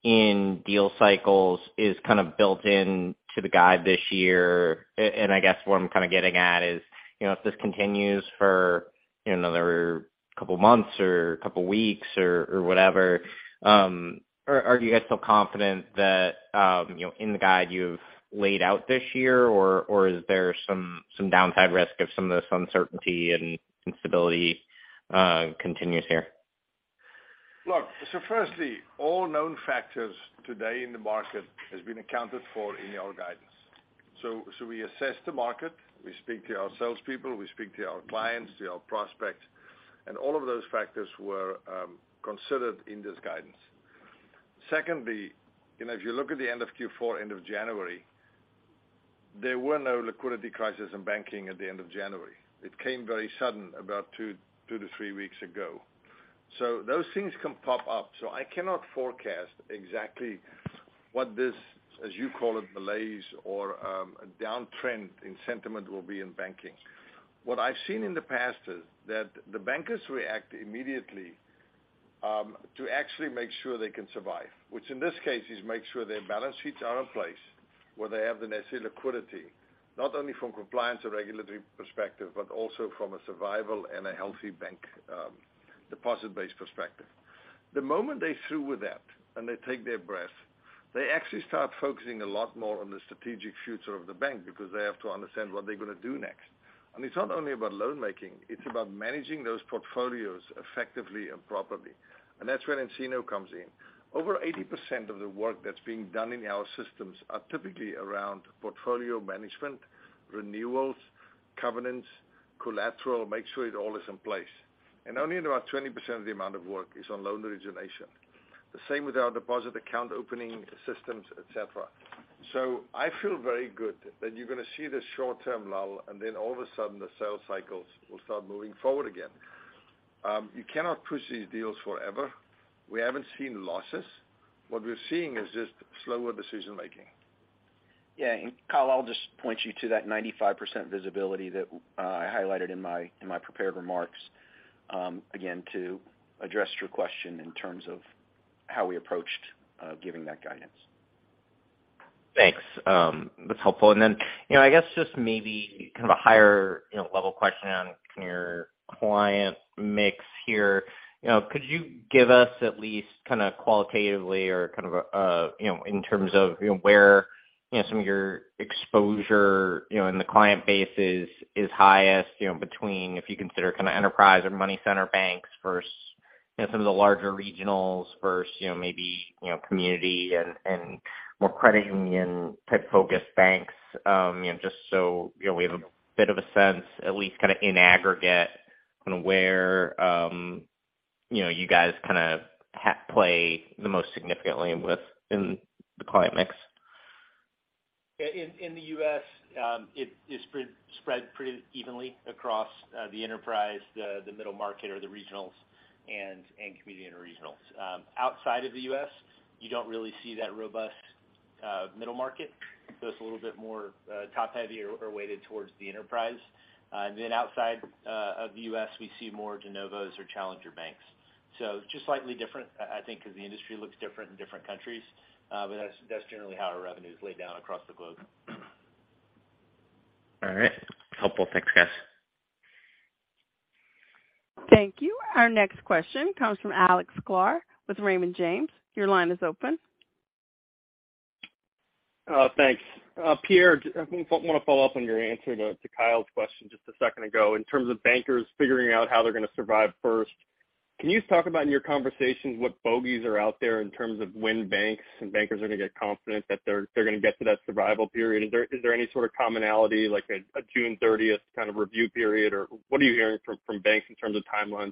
in deal cycles is kind of built into the guide this year? I guess what I'm kinda getting at is, you know, if this continues for another couple of months or couple weeks or whatever, are you guys still confident that, you know, in the guide you've laid out this year, or is there some downside risk if some of this uncertainty and instability continues here? Firstly, all known factors today in the market has been accounted for in our guidance. We assess the market, we speak to our salespeople, we speak to our clients, to our prospects, and all of those factors were considered in this guidance. Secondly, you know, if you look at the end of Q4, end of January, there were no liquidity crisis in banking at the end of January. It came very sudden about two-three weeks ago. Those things can pop up. I cannot forecast exactly what this, as you call it, malaise or a downtrend in sentiment will be in banking. What I've seen in the past is that the bankers react immediately, to actually make sure they can survive, which in this case is make sure their balance sheets are in place, where they have the necessary liquidity, not only from compliance or regulatory perspective, but also from a survival and a healthy bank, deposit-based perspective. The moment they're through with that and they take their breath, they actually start focusing a lot more on the strategic future of the bank because they have to understand what they're gonna do next. It's not only about loan making, it's about managing those portfolios effectively and properly. That's when nCino comes in. Over 80% of the work that's being done in our systems are typically around portfolio management, renewals, covenants, collateral, make sure it all is in place. Only about 20% of the amount of work is on loan origination. The same with our Deposit Account Opening systems, et cetera. I feel very good that you're gonna see this short-term lull, and then all of a sudden the sales cycles will start moving forward again. You cannot push these deals forever. We haven't seen losses. What we're seeing is just slower decision-making. Yeah. Kyle, I'll just point you to that 95% visibility that I highlighted in my, in my prepared remarks, again, to address your question in terms of how we approached giving that guidance. Thanks. That's helpful. Then, you know, I guess just maybe kind of a higher, you know, level question on your client mix here. You know, could you give us at least kinda qualitatively or kind of, you know, in terms of, you know, where, you know, some of your exposure, you know, in the client base is highest, you know, between if you consider kinda enterprise or money center banks versus, you know, some of the larger regionals versus, you know, maybe, you know, community and more credit union type-focused banks. You know, just so, you know, we have a bit of a sense, at least kinda in aggregate on where, you know, you guys kinda play the most significantly with in the client mix. Yeah. In the U.S., it is spread pretty evenly across the enterprise, the middle market or the regionals and community and regionals. Outside of the U.S., you don't really see that robust middle market. It's a little bit more top-heavy or weighted towards the enterprise. Then outside of the U.S., we see more de novo or challenger banks. It's just slightly different, I think, because the industry looks different in different countries. That's, that's generally how our revenue is laid down across the globe. All right. Helpful. Thanks, guys. Thank you. Our next question comes from Alex Sklar with Raymond James. Your line is open. Thanks. Pierre, I wanna follow up on your answer to Kyle's question just a second ago. In terms of bankers figuring out how they're gonna survive first, can you talk about in your conversations what bogies are out there in terms of when banks and bankers are gonna get confident that they're gonna get to that survival period? Is there any sort of commonality like a June 30th kind of review period or what are you hearing from banks in terms of timelines?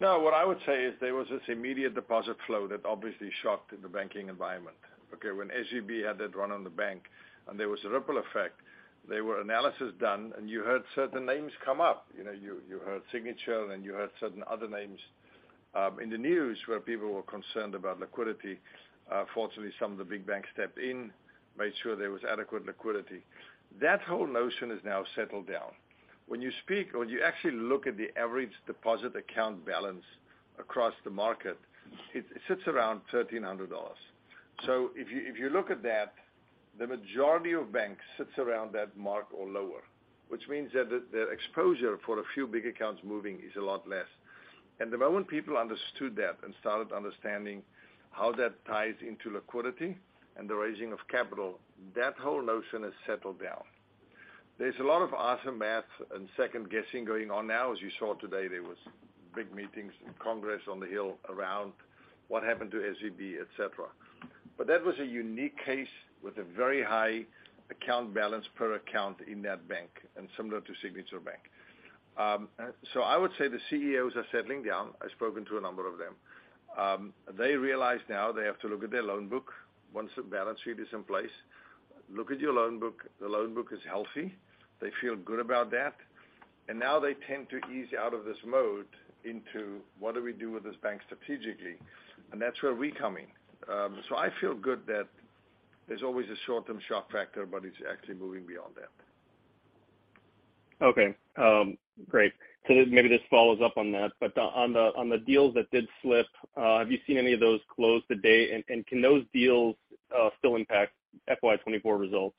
No, what I would say is there was this immediate deposit flow that obviously shocked the banking environment. Okay, when SVB had that run on the bank and there was a ripple effect, there were analysis done, and you heard certain names come up. You know, you heard Signature and you heard certain other names in the news where people were concerned about liquidity. Fortunately, some of the big banks stepped in, made sure there was adequate liquidity. That whole notion is now settled down. When you speak or you actually look at the average deposit account balance across the market, it sits around $1,300. If you look at that, the majority of banks sits around that mark or lower, which means that the exposure for a few big accounts moving is a lot less. The moment people understood that and started understanding how that ties into liquidity and the raising of capital, that whole notion has settled down. There's a lot of awesome math and second guessing going on now. As you saw today, there was big meetings in Congress on the Hill around what happened to SVB, et cetera. That was a unique case with a very high account balance per account in that bank and similar to Signature Bank. So I would say the CEOs are settling down. I've spoken to a number of them. They realize now they have to look at their loan book once the balance sheet is in place. Look at your loan book. The loan book is healthy. They feel good about that. Now they tend to ease out of this mode into, what do we do with this bank strategically? That's where we come in. I feel good that there's always a short-term shock factor, but it's actually moving beyond that. Okay. Great. Maybe this follows up on that, but on the deals that did slip, have you seen any of those close to date? Can those deals still impact FY 2024 results?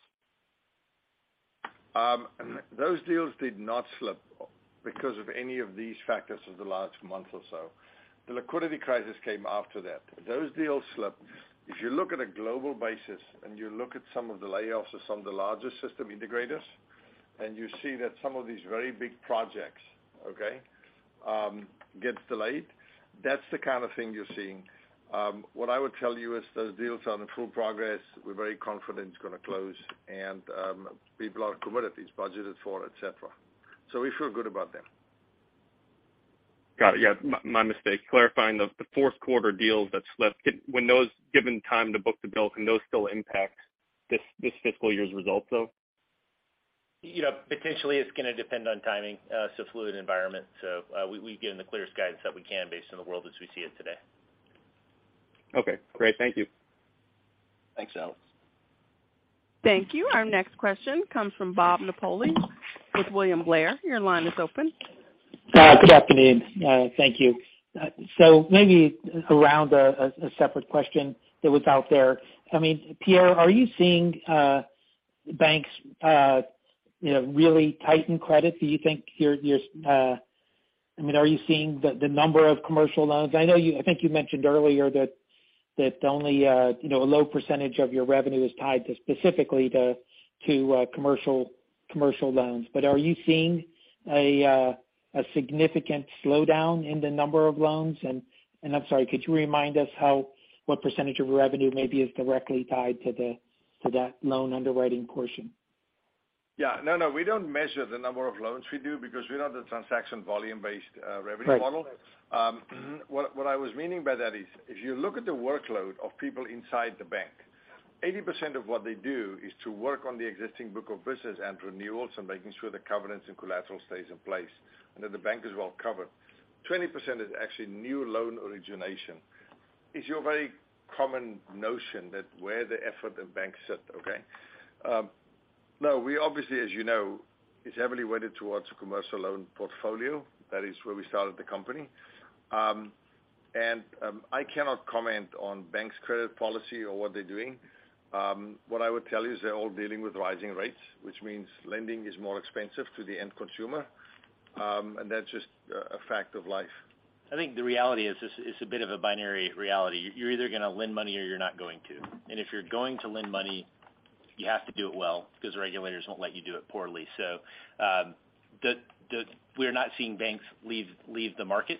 Those deals did not slip because of any of these factors of the last month or so. The liquidity crisis came after that. Those deals slipped. If you look at a global basis and you look at some of the layoffs of some of the largest system integrators, and you see that some of these very big projects, okay, gets delayed, that's the kind of thing you're seeing. What I would tell you is those deals are in full progress. We're very confident it's gonna close and people are committed, it's budgeted for, et cetera. We feel good about them. Got it. Yeah, my mistake. Clarifying the fourth quarter deals that slipped. When those given time to book the bill, can those still impact this fiscal year's results, though? You know, potentially, it's gonna depend on timing. It's a fluid environment. We give them the clearest guidance that we can based on the world as we see it today. Okay, great. Thank you. Thanks, Alex. Thank you. Our next question comes from Bob Napoli with William Blair. Your line is open. Good afternoon. Thank you. Maybe around a separate question that was out there. I mean, Pierre, are you seeing banks, you know, really tighten credit? Do you think you're, I mean, are you seeing the number of commercial loans? I know I think you mentioned earlier that only, you know, a low percentage of your revenue is tied to specifically the, to, commercial loans. Are you seeing a significant slowdown in the number of loans? I'm sorry, could you remind us what percentage of revenue maybe is directly tied to the, to that loan underwriting portion? Yeah. No, no, we don't measure the number of loans we do because we're not a transaction volume-based revenue model. What I was meaning by that is, if you look at the workload of people inside the bank, 80% of what they do is to work on the existing book of business and renewals and making sure the covenants and collateral stays in place and that the bank is well covered. 20% is actually new loan origination. It's your very common notion that where the effort the banks sit. We obviously, as you know, is heavily weighted towards a commercial loan portfolio. That is where we started the company. I cannot comment on bank's credit policy or what they're doing. What I would tell you is they're all dealing with rising rates, which means lending is more expensive to the end consumer. That's just a fact of life. I think the reality is it's a bit of a binary reality. You're either going to lend money or you're not going to. If you're going to lend money, you have to do it well because regulators won't let you do it poorly. We're not seeing banks leave the market,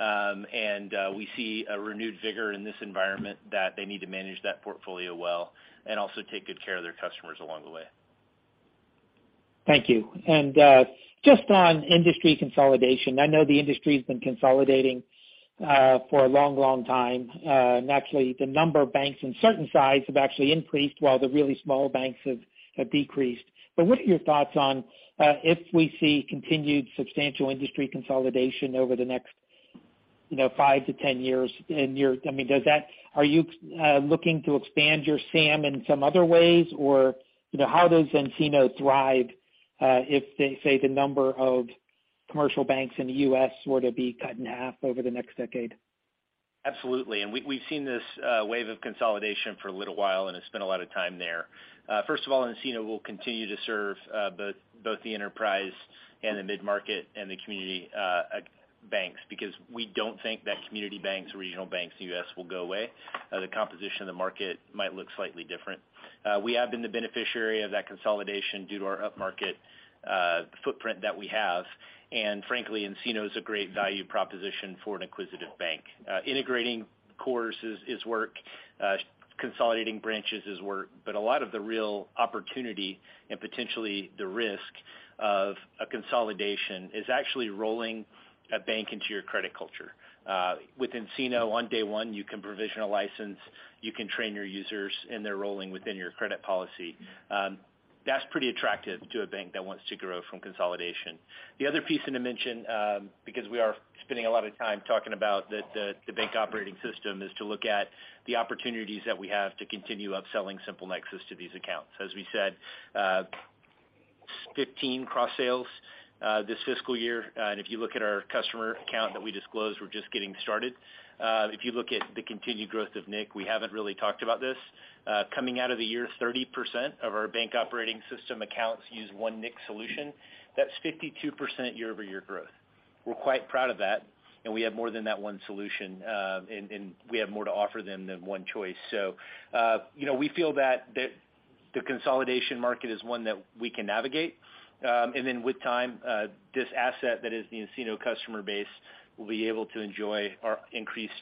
and we see a renewed vigor in this environment that they need to manage that portfolio well and also take good care of their customers along the way. Thank you. Just on industry consolidation. I know the industry has been consolidating for a long, long time. Actually the number of banks in certain size have actually increased while the really small banks have decreased. What are your thoughts on if we see continued substantial industry consolidation over the next, you know, five to 10 years? Are you looking to expand your SAM in some other ways? Or, you know, how does nCino thrive if they say the number of commercial banks in the U.S. were to be cut in half over the next decade? Absolutely. We've seen this wave of consolidation for a little while, and it's been a lot of time there. First of all, nCino will continue to serve both the enterprise and the mid-market and the community banks, because we don't think that community banks, regional banks in the U.S. will go away. The composition of the market might look slightly different. We have been the beneficiary of that consolidation due to our upmarket footprint that we have. Frankly, nCino is a great value proposition for an inquisitive bank. Integrating cores is work. Consolidating branches is work. A lot of the real opportunity and potentially the risk of a consolidation is actually rolling a bank into your credit culture. With nCino on day one, you can provision a license, you can train your users, and they're rolling within your credit policy. That's pretty attractive to a bank that wants to grow from consolidation. The other piece, and to mention, because we are spending a lot of time talking about the bank operating system, is to look at the opportunities that we have to continue upselling SimpleNexus to these accounts. As we said, 15 cross-sales, this fiscal year. If you look at our customer count that we disclosed, we're just getting started. If you look at the continued growth of nIQ, we haven't really talked about this. Coming out of the year, 30% of our bank operating system accounts use one nIQ solution. That's 52% year-over-year growth. We're quite proud of that, and we have more than that one solution, and we have more to offer them than one choice. You know, we feel that the consolidation market is one that we can navigate. Then with time, this asset that is the nCino customer base will be able to enjoy our increased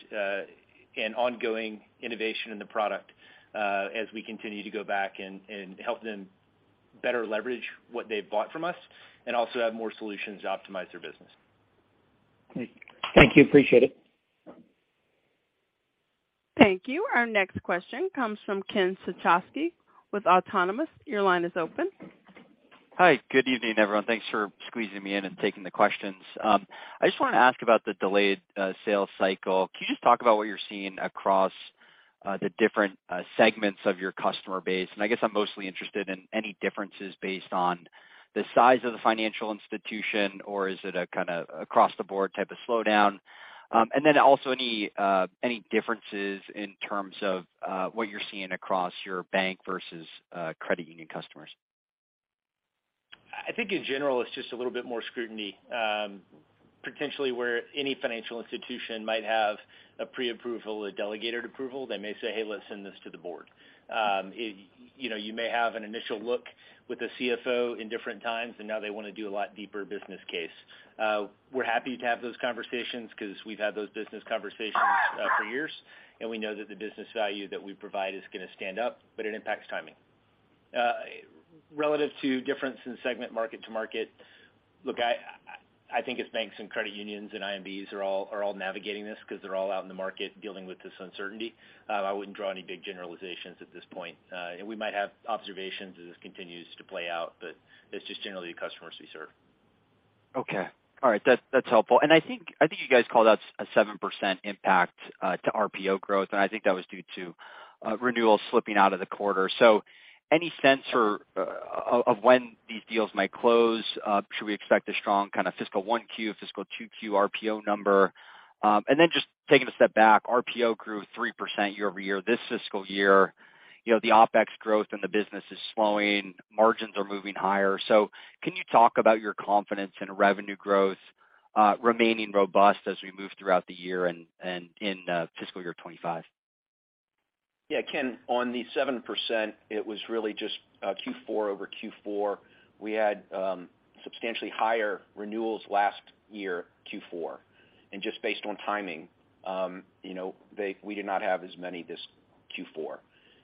and ongoing innovation in the product, as we continue to go back and help them better leverage what they've bought from us and also have more solutions to optimize their business. Thank you. Appreciate it. Thank you. Our next question comes from Ken Suchoski with Autonomous. Your line is open. Hi. Good evening, everyone. Thanks for squeezing me in and taking the questions. I just want to ask about the delayed sales cycle. Can you just talk about what you're seeing across the different segments of your customer base? I guess I'm mostly interested in any differences based on the size of the financial institution, or is it a kind of across the board type of slowdown? Then also any differences in terms of what you're seeing across your bank versus credit union customers. I think in general, it's just a little bit more scrutiny. Potentially where any financial institution might have a preapproval, a delegated approval, they may say, "Hey, let's send this to the board." You know, you may have an initial look with the CFO in different times, and now they wanna do a lot deeper business case. We're happy to have those conversations 'cause we've had those business conversations for years, and we know that the business value that we provide is gonna stand up, but it impacts timing. Relative to difference in segment market to market, look, I think as banks and credit unions and IMBs are all navigating this 'cause they're all out in the market dealing with this uncertainty, I wouldn't draw any big generalizations at this point. We might have observations as this continues to play out, but it's just generally the customers we serve. Okay. All right. That's, that's helpful. I think, I think you guys called out a 7% impact to RPO growth, and I think that was due to renewals slipping out of the quarter. Any sense of when these deals might close? Should we expect a strong kinda fiscal 1Q, fiscal 2Q RPO number? Just taking a step back, RPO grew 3% year-over-year this fiscal year. You know, the OpEx growth in the business is slowing, margins are moving higher. Can you talk about your confidence in revenue growth remaining robust as we move throughout the year and in fiscal year 2025? Yeah, Ken, on the 7%, it was really just Q4-over-Q4. We had substantially higher renewals last year, Q4. Just based on timing, you know, we did not have as many this Q4.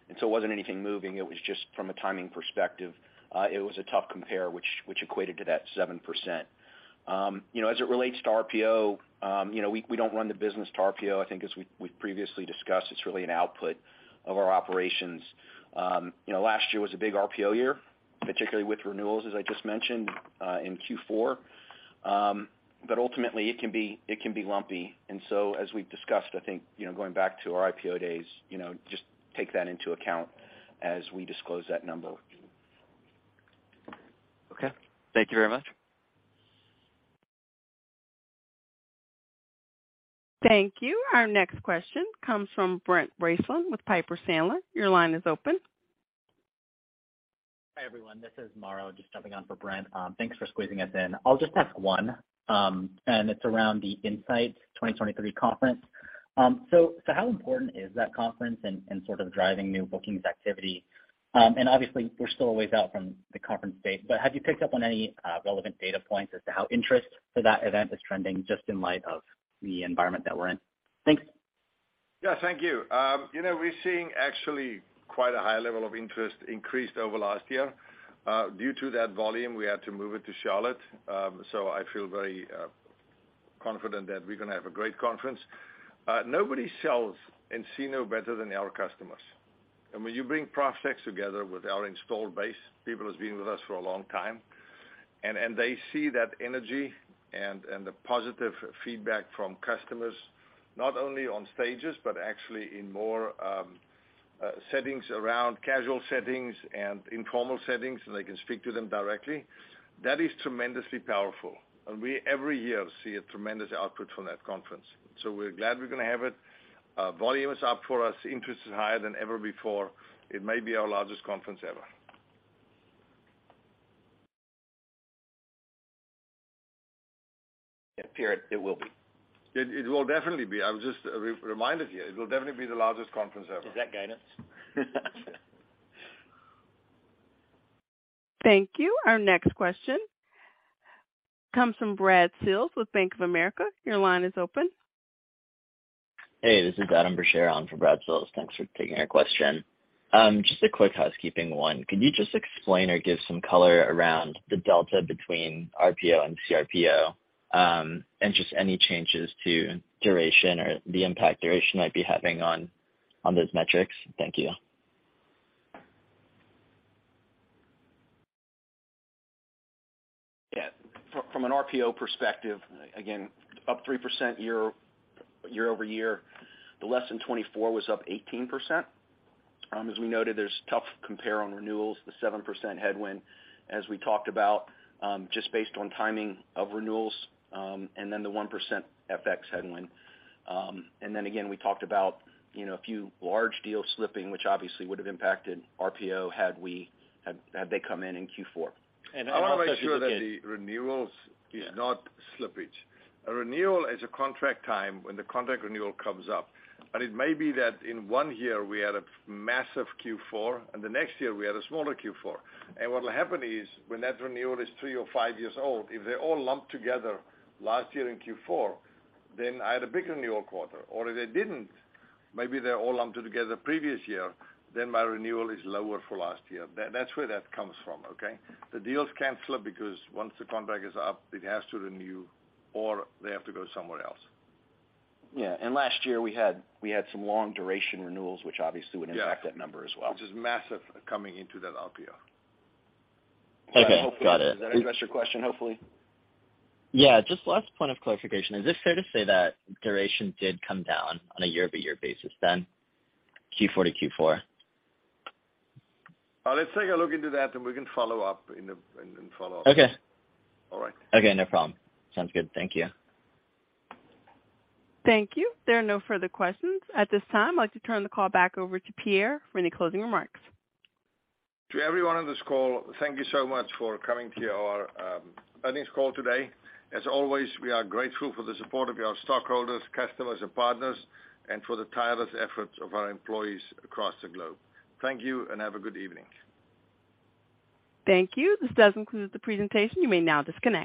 It wasn't anything moving, it was just from a timing perspective, it was a tough compare which equated to that 7%. You know, as it relates to RPO, you know, we don't run the business to RPO. I think as we've previously discussed, it's really an output of our operations. You know, last year was a big RPO year, particularly with renewals, as I just mentioned, in Q4. Ultimately it can be lumpy. As we've discussed, I think, you know, going back to our IPO days, you know, just take that into account as we disclose that number. Okay. Thank you very much. Thank you. Our next question comes from Brent Bracelin with Piper Sandler. Your line is open. Hi, everyone. This is Mauro just jumping on for Brent. Thanks for squeezing us in. I'll just ask one, and it's around the nSight 2023 conference. How important is that conference in sort of driving new bookings activity? Obviously we're still a ways out from the conference date, but have you picked up on any relevant data points as to how interest for that event is trending just in light of the environment that we're in? Thanks. Yeah. Thank you. you know, we're seeing actually quite a high level of interest increased over last year. Due to that volume, we had to move it to Charlotte. I feel very confident that we're gonna have a great conference. Nobody sells nCino better than our customers. When you bring prospects together with our installed base, people who's been with us for a long time, and they see that energy and the positive feedback from customers, not only on stages but actually in more settings around casual settings and informal settings, and they can speak to them directly, that is tremendously powerful. We every year see a tremendous output from that conference. We're glad we're gonna have it. Volume is up for us. Interest is higher than ever before. It may be our largest conference ever. Yeah, Pierre, it will be. It will definitely be. I was just reminded here. It will definitely be the largest conference ever. Is that guidance? Thank you. Our next question comes from Brad Sills with Bank of America. Your line is open. Hey, this is Adam Bergere on for Brad Sills. Thanks for taking our question. Just a quick housekeeping one. Could you just explain or give some color around the delta between RPO and CRPO, and just any changes to duration or the impact duration might be having on those metrics? Thank you. Yeah. From an RPO perspective, again, up 3% year-over-year. The less than 24 was up 18%. As we noted, there's tough compare on renewals, the 7% headwind, as we talked about, just based on timing of renewals, and then the 1% FX headwind. Then again, we talked about, you know, a few large deals slipping, which obviously would have impacted RPO had they come in in Q4. I also think. I wanna make sure that the renewals is not slippage. A renewal is a contract time when the contract renewal comes up. It may be that in one year we had a massive Q4, and the next year we had a smaller Q4. What will happen is when that renewal is three or five years old, if they all lumped together last year in Q4, then I had a big renewal quarter. If they didn't, maybe they all lumped together previous year, then my renewal is lower for last year. That's where that comes from, okay? The deals can't slip because once the contract is up, it has to renew or they have to go somewhere else. Yeah. Last year we had some long duration renewals, which obviously would impact that number as well. Yeah. Which is massive coming into that RPO. Okay. Got it. Does that address your question, hopefully? Yeah. Just last point of clarification. Is it fair to say that duration did come down on a year-over-year basis then, Q4-to-Q4? Let's take a look into that, and we can follow up and follow up. Okay. All right. Okay, no problem. Sounds good. Thank you. Thank you. There are no further questions. At this time, I'd like to turn the call back over to Pierre for any closing remarks. To everyone on this call, thank you so much for coming to our earnings call today. As always, we are grateful for the support of our stockholders, customers and partners, and for the tireless efforts of our employees across the globe. Thank you, and have a good evening. Thank you. This does conclude the presentation. You may now disconnect.